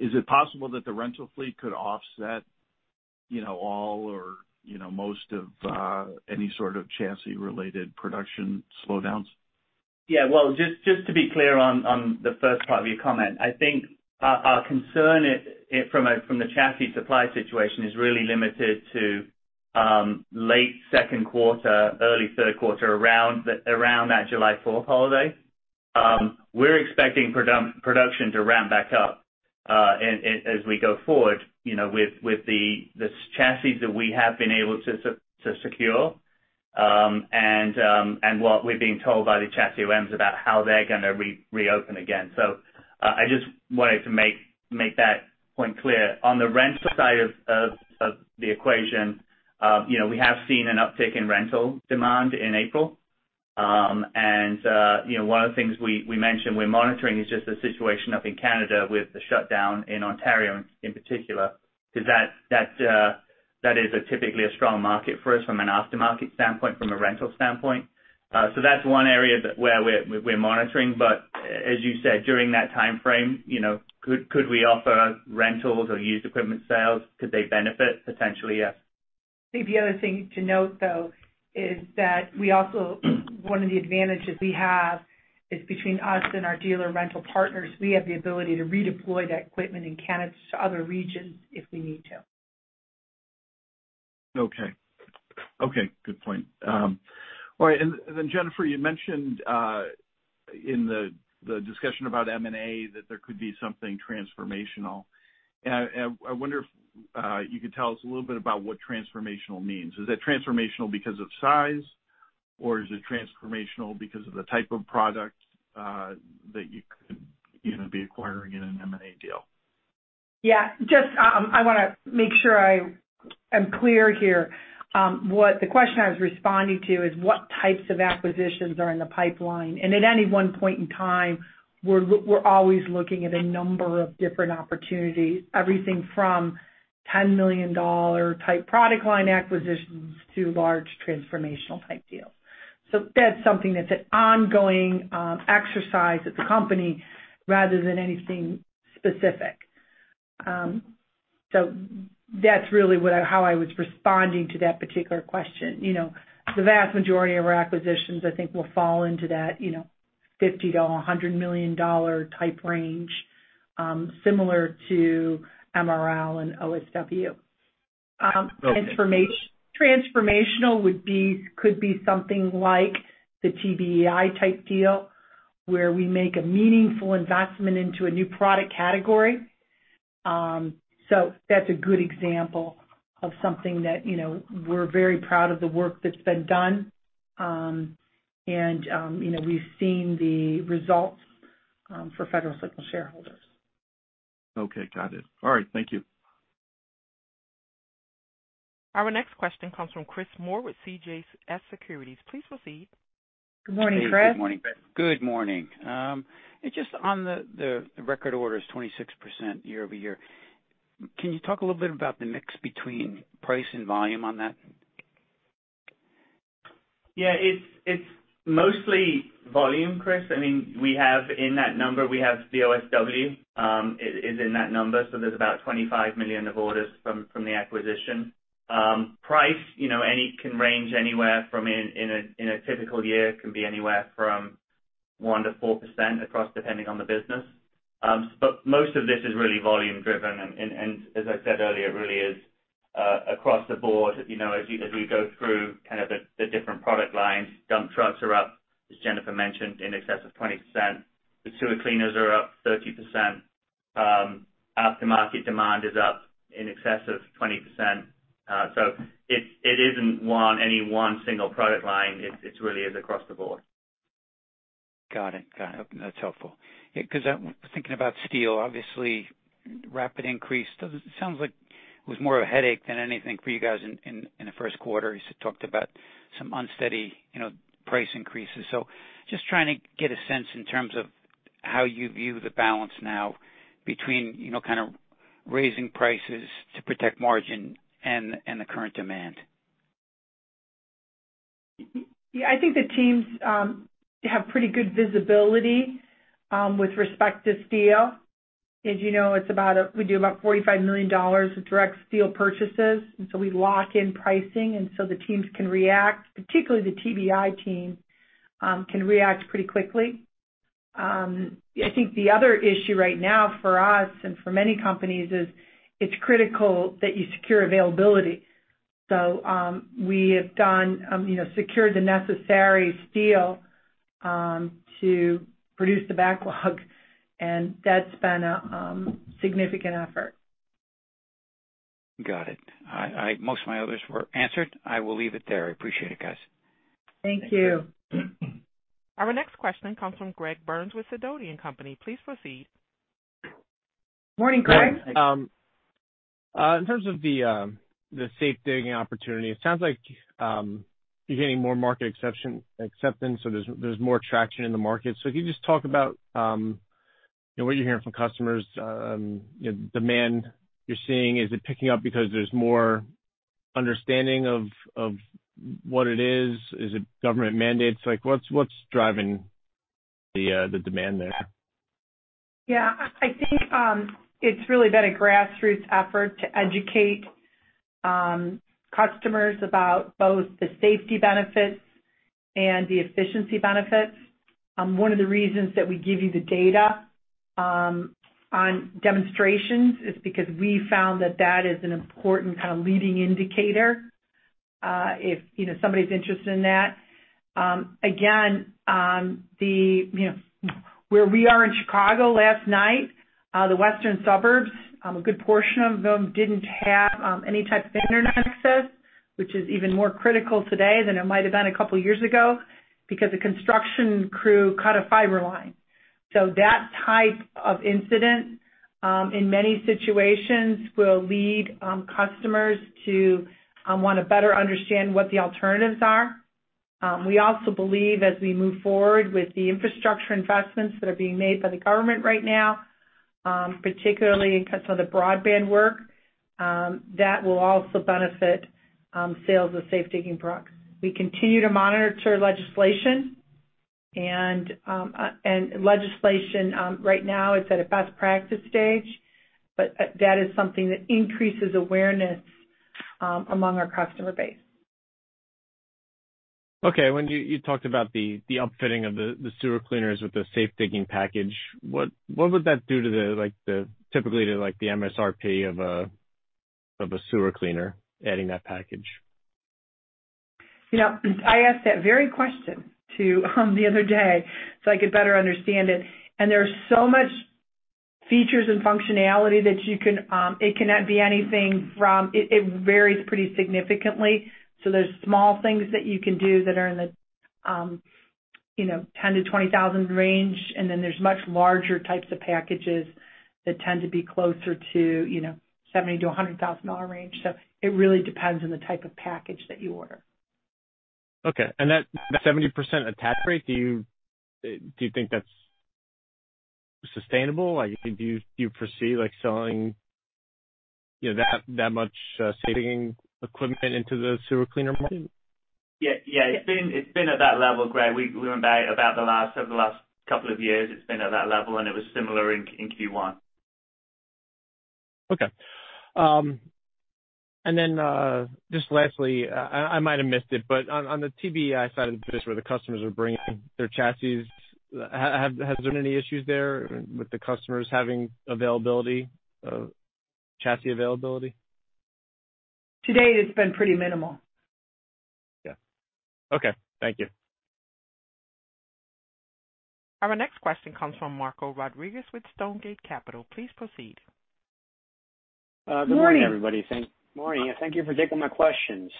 Is it possible that the rental fleet could offset all or most of any sort of chassis-related production slowdowns? Yeah. Well, just to be clear on the first part of your comment. I think our concern from the chassis supply situation is really limited to late second quarter, early third quarter, around that July 4th holiday. We're expecting production to ramp back up as we go forward with the chassis that we have been able to secure, and what we're being told by the chassis OEMs about how they're going to reopen again. I just wanted to make that point clear. On the rental side of the equation, we have seen an uptick in rental demand in April. One of the things we mentioned we're monitoring is just the situation up in Canada with the shutdown in Ontario in particular, because that is typically a strong market for us from an aftermarket standpoint, from a rental standpoint. That's one area where we're monitoring. As you said, during that timeframe, could we offer rentals or used equipment sales? Could they benefit? Potentially, yes. The other thing to note, though, is that one of the advantages we have is between us and our dealer rental partners, we have the ability to redeploy that equipment in Canada to other regions if we need to. Okay. Good point. All right. Jennifer, you mentioned in the discussion about M&A that there could be something transformational. I wonder if you could tell us a little bit about what transformational means. Is it transformational because of size, or is it transformational because of the type of product that you could be acquiring in an M&A deal? Yeah. I want to make sure I am clear here. The question I was responding to is what types of acquisitions are in the pipeline. At any one point in time, we're always looking at a number of different opportunities. Everything from $10 million-type product line acquisitions to large transformational-type deals. That's something that's an ongoing exercise at the company rather than anything specific. That's really how I was responding to that particular question. The vast majority of our acquisitions, I think, will fall into that $50 million-$100 million-type range, similar to MRL and OSW. Okay. Transformational could be something like the TBEI-type deal, where we make a meaningful investment into a new product category. That's a good example of something that we're very proud of the work that's been done. We've seen the results for Federal Signal shareholders. Okay, got it. All right, thank you. Our next question comes from Chris Moore with CJS Securities. Please proceed. Good morning, Chris. Hey, good morning. Good morning. Just on the record orders, 26% year-over-year. Can you talk a little bit about the mix between price and volume on that? Yeah, it's mostly volume, Chris. In that number, we have the OSW is in that number, there's about $25 million of orders from the acquisition. Price can range anywhere from, in a typical year, it can be anywhere from 1%-4% across, depending on the business. Most of this is really volume driven, and as I said earlier, it really is across the board as we go through kind of the different product lines. Dump trucks are up, as Jennifer mentioned, in excess of 20%. The sewer cleaners are up 30%. Aftermarket demand is up in excess of 20%. It isn't any one single product line. It really is across the board. Got it. That's helpful. I'm thinking about steel, obviously rapid increase. It sounds like it was more of a headache than anything for you guys in the first quarter, as you talked about some unsteady price increases. Just trying to get a sense in terms of how you view the balance now between kind of raising prices to protect margin and the current demand. Yeah, I think the teams have pretty good visibility with respect to steel. As you know, we do about $45 million with direct steel purchases, and so we lock in pricing, and so the teams can react, particularly the TBEI team can react pretty quickly. I think the other issue right now for us and for many companies is it's critical that you secure availability. We have secured the necessary steel to produce the backlog, and that's been a significant effort. Got it. Most of my others were answered. I will leave it there. I appreciate it, guys. Thank you. Thanks. Our next question comes from Greg Burns with Sidoti & Company. Please proceed. Morning, Greg. Morning. In terms of the safe digging opportunity, it sounds like you're getting more market acceptance, there's more traction in the market. If you could just talk about what you're hearing from customers, demand you're seeing. Is it picking up because there's more understanding of what it is? Is it government mandates? What's driving the demand there? Yeah, I think it's really been a grassroots effort to educate customers about both the safety benefits and the efficiency benefits. One of the reasons that we give you the data on demonstrations is because we found that that is an important kind of leading indicator. If somebody's interested in that again, where we are in Chicago last night, the western suburbs, a good portion of them didn't have any type of internet access, which is even more critical today than it might've been a couple of years ago, because a construction crew cut a fiber line. That type of incident, in many situations, will lead customers to want to better understand what the alternatives are. We also believe, as we move forward with the infrastructure investments that are being made by the government right now, particularly when it comes to the broadband work, that will also benefit sales of safe digging products. We continue to monitor legislation, and legislation right now is at a best practice stage, but that is something that increases awareness among our customer base. Okay. When you talked about the upfitting of the sewer cleaners with the safe digging package, what would that do, typically, to the MSRP of a sewer cleaner, adding that package? I asked that very question, too, the other day so I could better understand it. There's so much features and functionality that it varies pretty significantly. There's small things that you can do that are in the $10,000-$20,000 range. Then there's much larger types of packages that tend to be closer to $70,000-$100,000 range. It really depends on the type of package that you order. Okay. That 70% attach rate, do you think that's sustainable? Do you foresee selling that much safe digging equipment into the sewer cleaner market? Yeah. It's been at that level, Greg, over the last couple of years, it's been at that level, and it was similar in Q1. Okay. Just lastly, I might've missed it, but on the TBEI side of the business where the customers are bringing their chassis, has there been any issues there with the customers having availability, chassis availability? To date, it's been pretty minimal. Yeah. Okay. Thank you. Our next question comes from Marco Rodriguez with Stonegate Capital. Please proceed. Morning. Good morning, everybody. Morning. Thank you for taking my questions.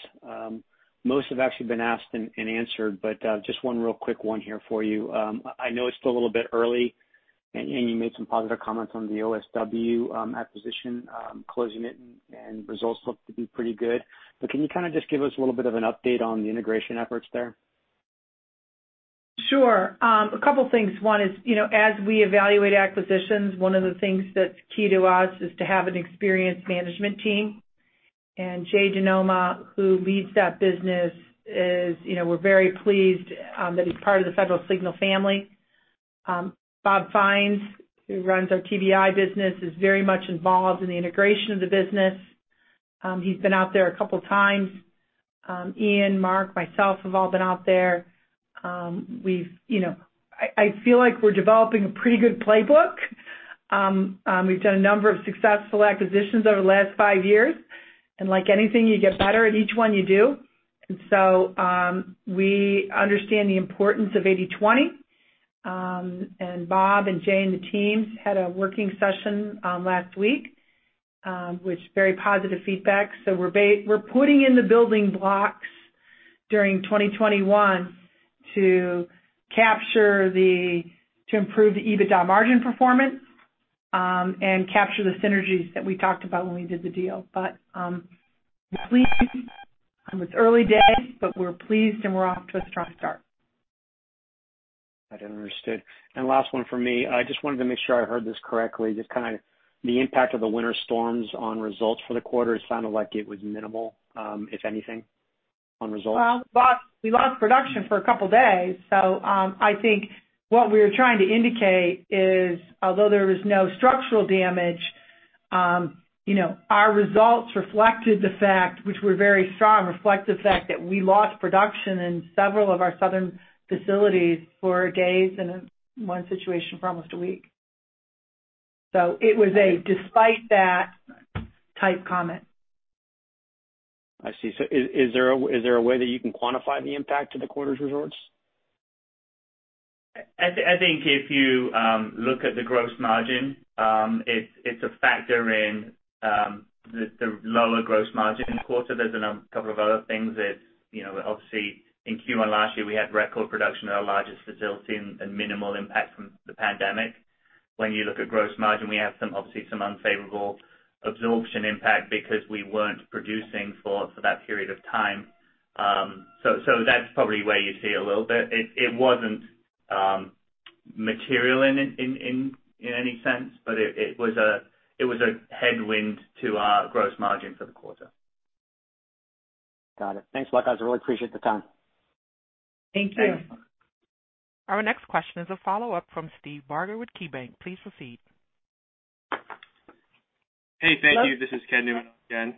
Most have actually been asked and answered. Just one real quick one here for you. I know it's still a little bit early, and you made some positive comments on the OSW acquisition, closing it, and results look to be pretty good. Can you kind of just give us a little bit of an update on the integration efforts there? Sure. A couple things. One is, as we evaluate acquisitions, one of the things that's key to us is to have an experienced management team. Jay DeNoma, who leads that business is, we're very pleased that he's part of the Federal Signal family. Bob Fines, who runs our TBEI business, is very much involved in the integration of the business. He's been out there a couple of times. Ian, Mark, myself, have all been out there. I feel like we're developing a pretty good playbook. We've done a number of successful acquisitions over the last five years, and like anything, you get better at each one you do. We understand the importance of 80/20. Bob and Jay and the teams had a working session last week, with very positive feedback. We're putting in the building blocks during 2021 to improve the EBITDA margin performance, and capture the synergies that we talked about when we did the deal. It's early days, but we're pleased, and we're off to a strong start. Understood. Last one from me. I just wanted to make sure I heard this correctly. Just kind of the impact of the winter storms on results for the quarter, it sounded like it was minimal, if anything, on results. We lost production for a couple days. I think what we were trying to indicate is, although there was no structural damage, our results reflected the fact, which were very strong, reflected the fact that we lost production in several of our southern facilities for days, and in one situation for almost a week. It was a despite that type comment. I see. Is there a way that you can quantify the impact to the quarter's results? I think if you look at the gross margin, it's a factor in the lower gross margin quarter. There's a couple of other things that, obviously in Q1 last year, we had record production at our largest facility and minimal impact from the pandemic. When you look at gross margin, we have obviously some unfavorable absorption impact because we weren't producing for that period of time. That's probably where you see a little bit. It wasn't material in any sense, but it was a headwind to our gross margin for the quarter. Got it. Thanks, guys. I really appreciate the time. Thank you. Thanks. Our next question is a follow-up from Steve Barger with KeyBanc. Please proceed. Thank you. This is Ken Newman again.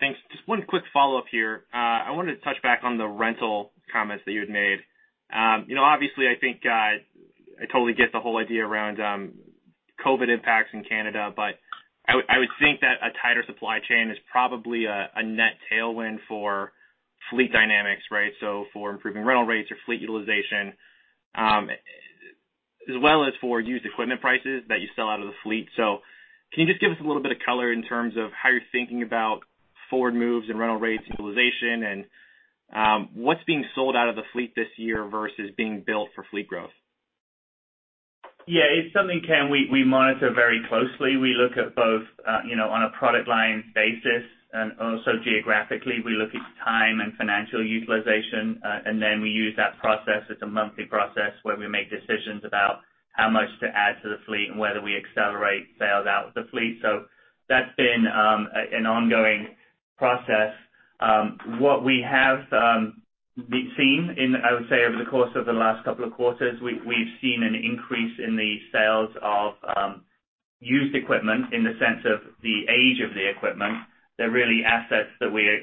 Thanks. Just one quick follow-up here. I wanted to touch back on the rental comments that you had made. Obviously, I think I totally get the whole idea around COVID impacts in Canada, but I would think that a tighter supply chain is probably a net tailwind for fleet dynamics, right? For improving rental rates or fleet utilization, as well as for used equipment prices that you sell out of the fleet. Can you just give us a little bit of color in terms of how you're thinking about forward moves and rental rates utilization and what's being sold out of the fleet this year versus being built for fleet growth? Yeah. It's something, Ken, we monitor very closely. We look at both on a product line basis and also geographically. We look at time and financial utilization, and then we use that process as a monthly process where we make decisions about how much to add to the fleet and whether we accelerate sales out of the fleet. That's been an ongoing process. What we have seen in, I would say, over the course of the last couple of quarters, we've seen an increase in the sales of used equipment in the sense of the age of the equipment. They're really assets that we're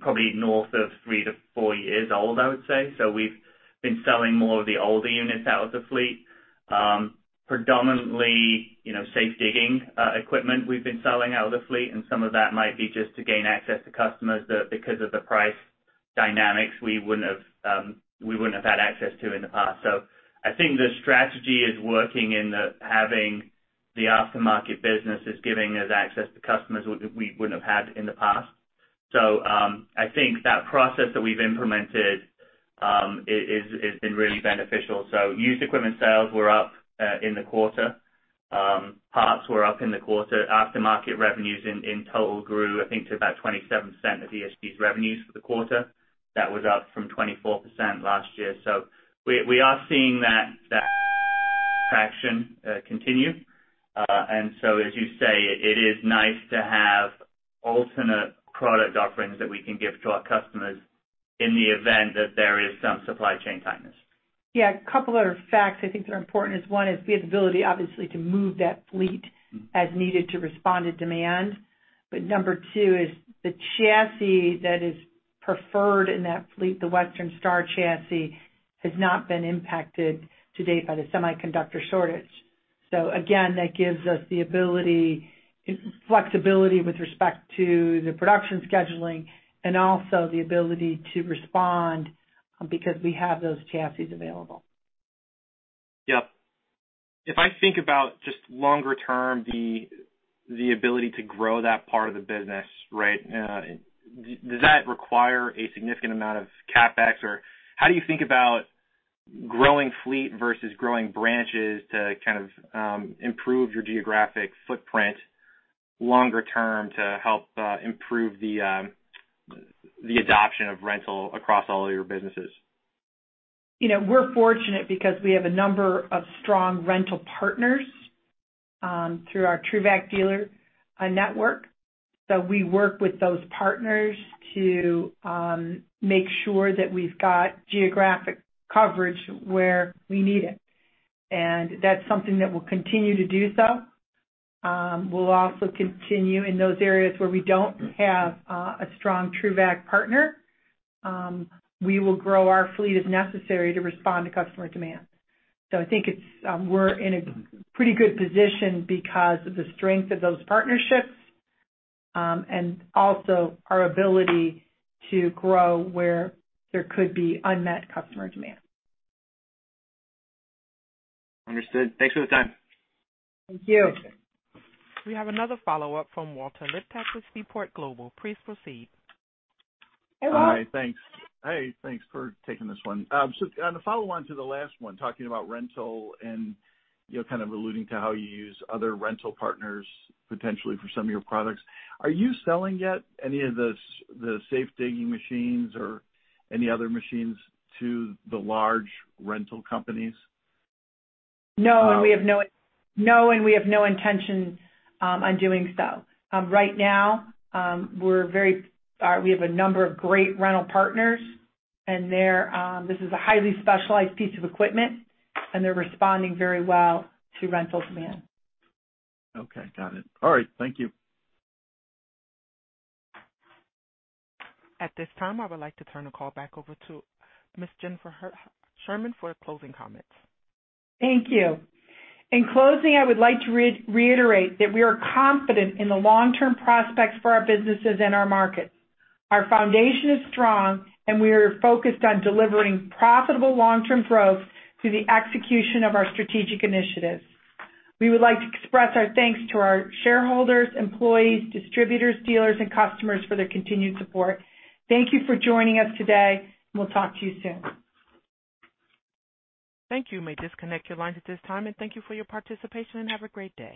probably north of three to four years old, I would say. We've been selling more of the older units out of the fleet. Predominantly, safe digging equipment we've been selling out of the fleet, and some of that might be just to gain access to customers that because of the price dynamics, we wouldn't have had access to in the past. I think the strategy is working and having the aftermarket business is giving us access to customers we wouldn't have had in the past. I think that process that we've implemented, has been really beneficial. Used equipment sales were up in the quarter. Parts were up in the quarter. Aftermarket revenues in total grew, I think, to about 27% of ESG's revenues for the quarter. That was up from 24% last year. We are seeing that traction continue. As you say, it is nice to have alternate product offerings that we can give to our customers in the event that there is some supply chain tightness. Two facts I think that are important is, one is we have the ability, obviously, to move that fleet as needed to respond to demand. Number two is the chassis that is preferred in that fleet, the Western Star chassis, has not been impacted to date by the semiconductor shortage. Again, that gives us the ability, flexibility with respect to the production scheduling and also the ability to respond because we have those chassis available. Yep. If I think about just longer term, the ability to grow that part of the business, right? Does that require a significant amount of CapEx? How do you think about growing fleet versus growing branches to kind of improve your geographic footprint longer term to help improve the adoption of rental across all of your businesses? We're fortunate because we have a number of strong rental partners through our TRUVAC dealer network. We work with those partners to make sure that we've got geographic coverage where we need it. That's something that we'll continue to do so. We'll also continue in those areas where we don't have a strong TRUVAC partner. We will grow our fleet as necessary to respond to customer demand. I think we're in a pretty good position because of the strength of those partnerships, and also our ability to grow where there could be unmet customer demand. Understood. Thanks for the time. Thank you. Thank you. We have another follow-up from Walter Liptak with Seaport Global. Please proceed. Hey, Walt. Hi. Thanks. Hey, thanks for taking this one. On the follow-on to the last one, talking about rental and kind of alluding to how you use other rental partners potentially for some of your products. Are you selling yet any of the safe digging machines or any other machines to the large rental companies? No. We have no intention on doing so. Right now, we have a number of great rental partners, and this is a highly specialized piece of equipment, and they're responding very well to rental demand. Okay, got it. All right, thank you. At this time, I would like to turn the call back over to Ms. Jennifer Sherman for the closing comments. Thank you. In closing, I would like to reiterate that we are confident in the long-term prospects for our businesses and our markets. Our foundation is strong, and we are focused on delivering profitable long-term growth through the execution of our strategic initiatives. We would like to express our thanks to our shareholders, employees, distributors, dealers, and customers for their continued support. Thank you for joining us today. We'll talk to you soon. Thank you. You may disconnect your lines at this time, and thank you for your participation, and have a great day.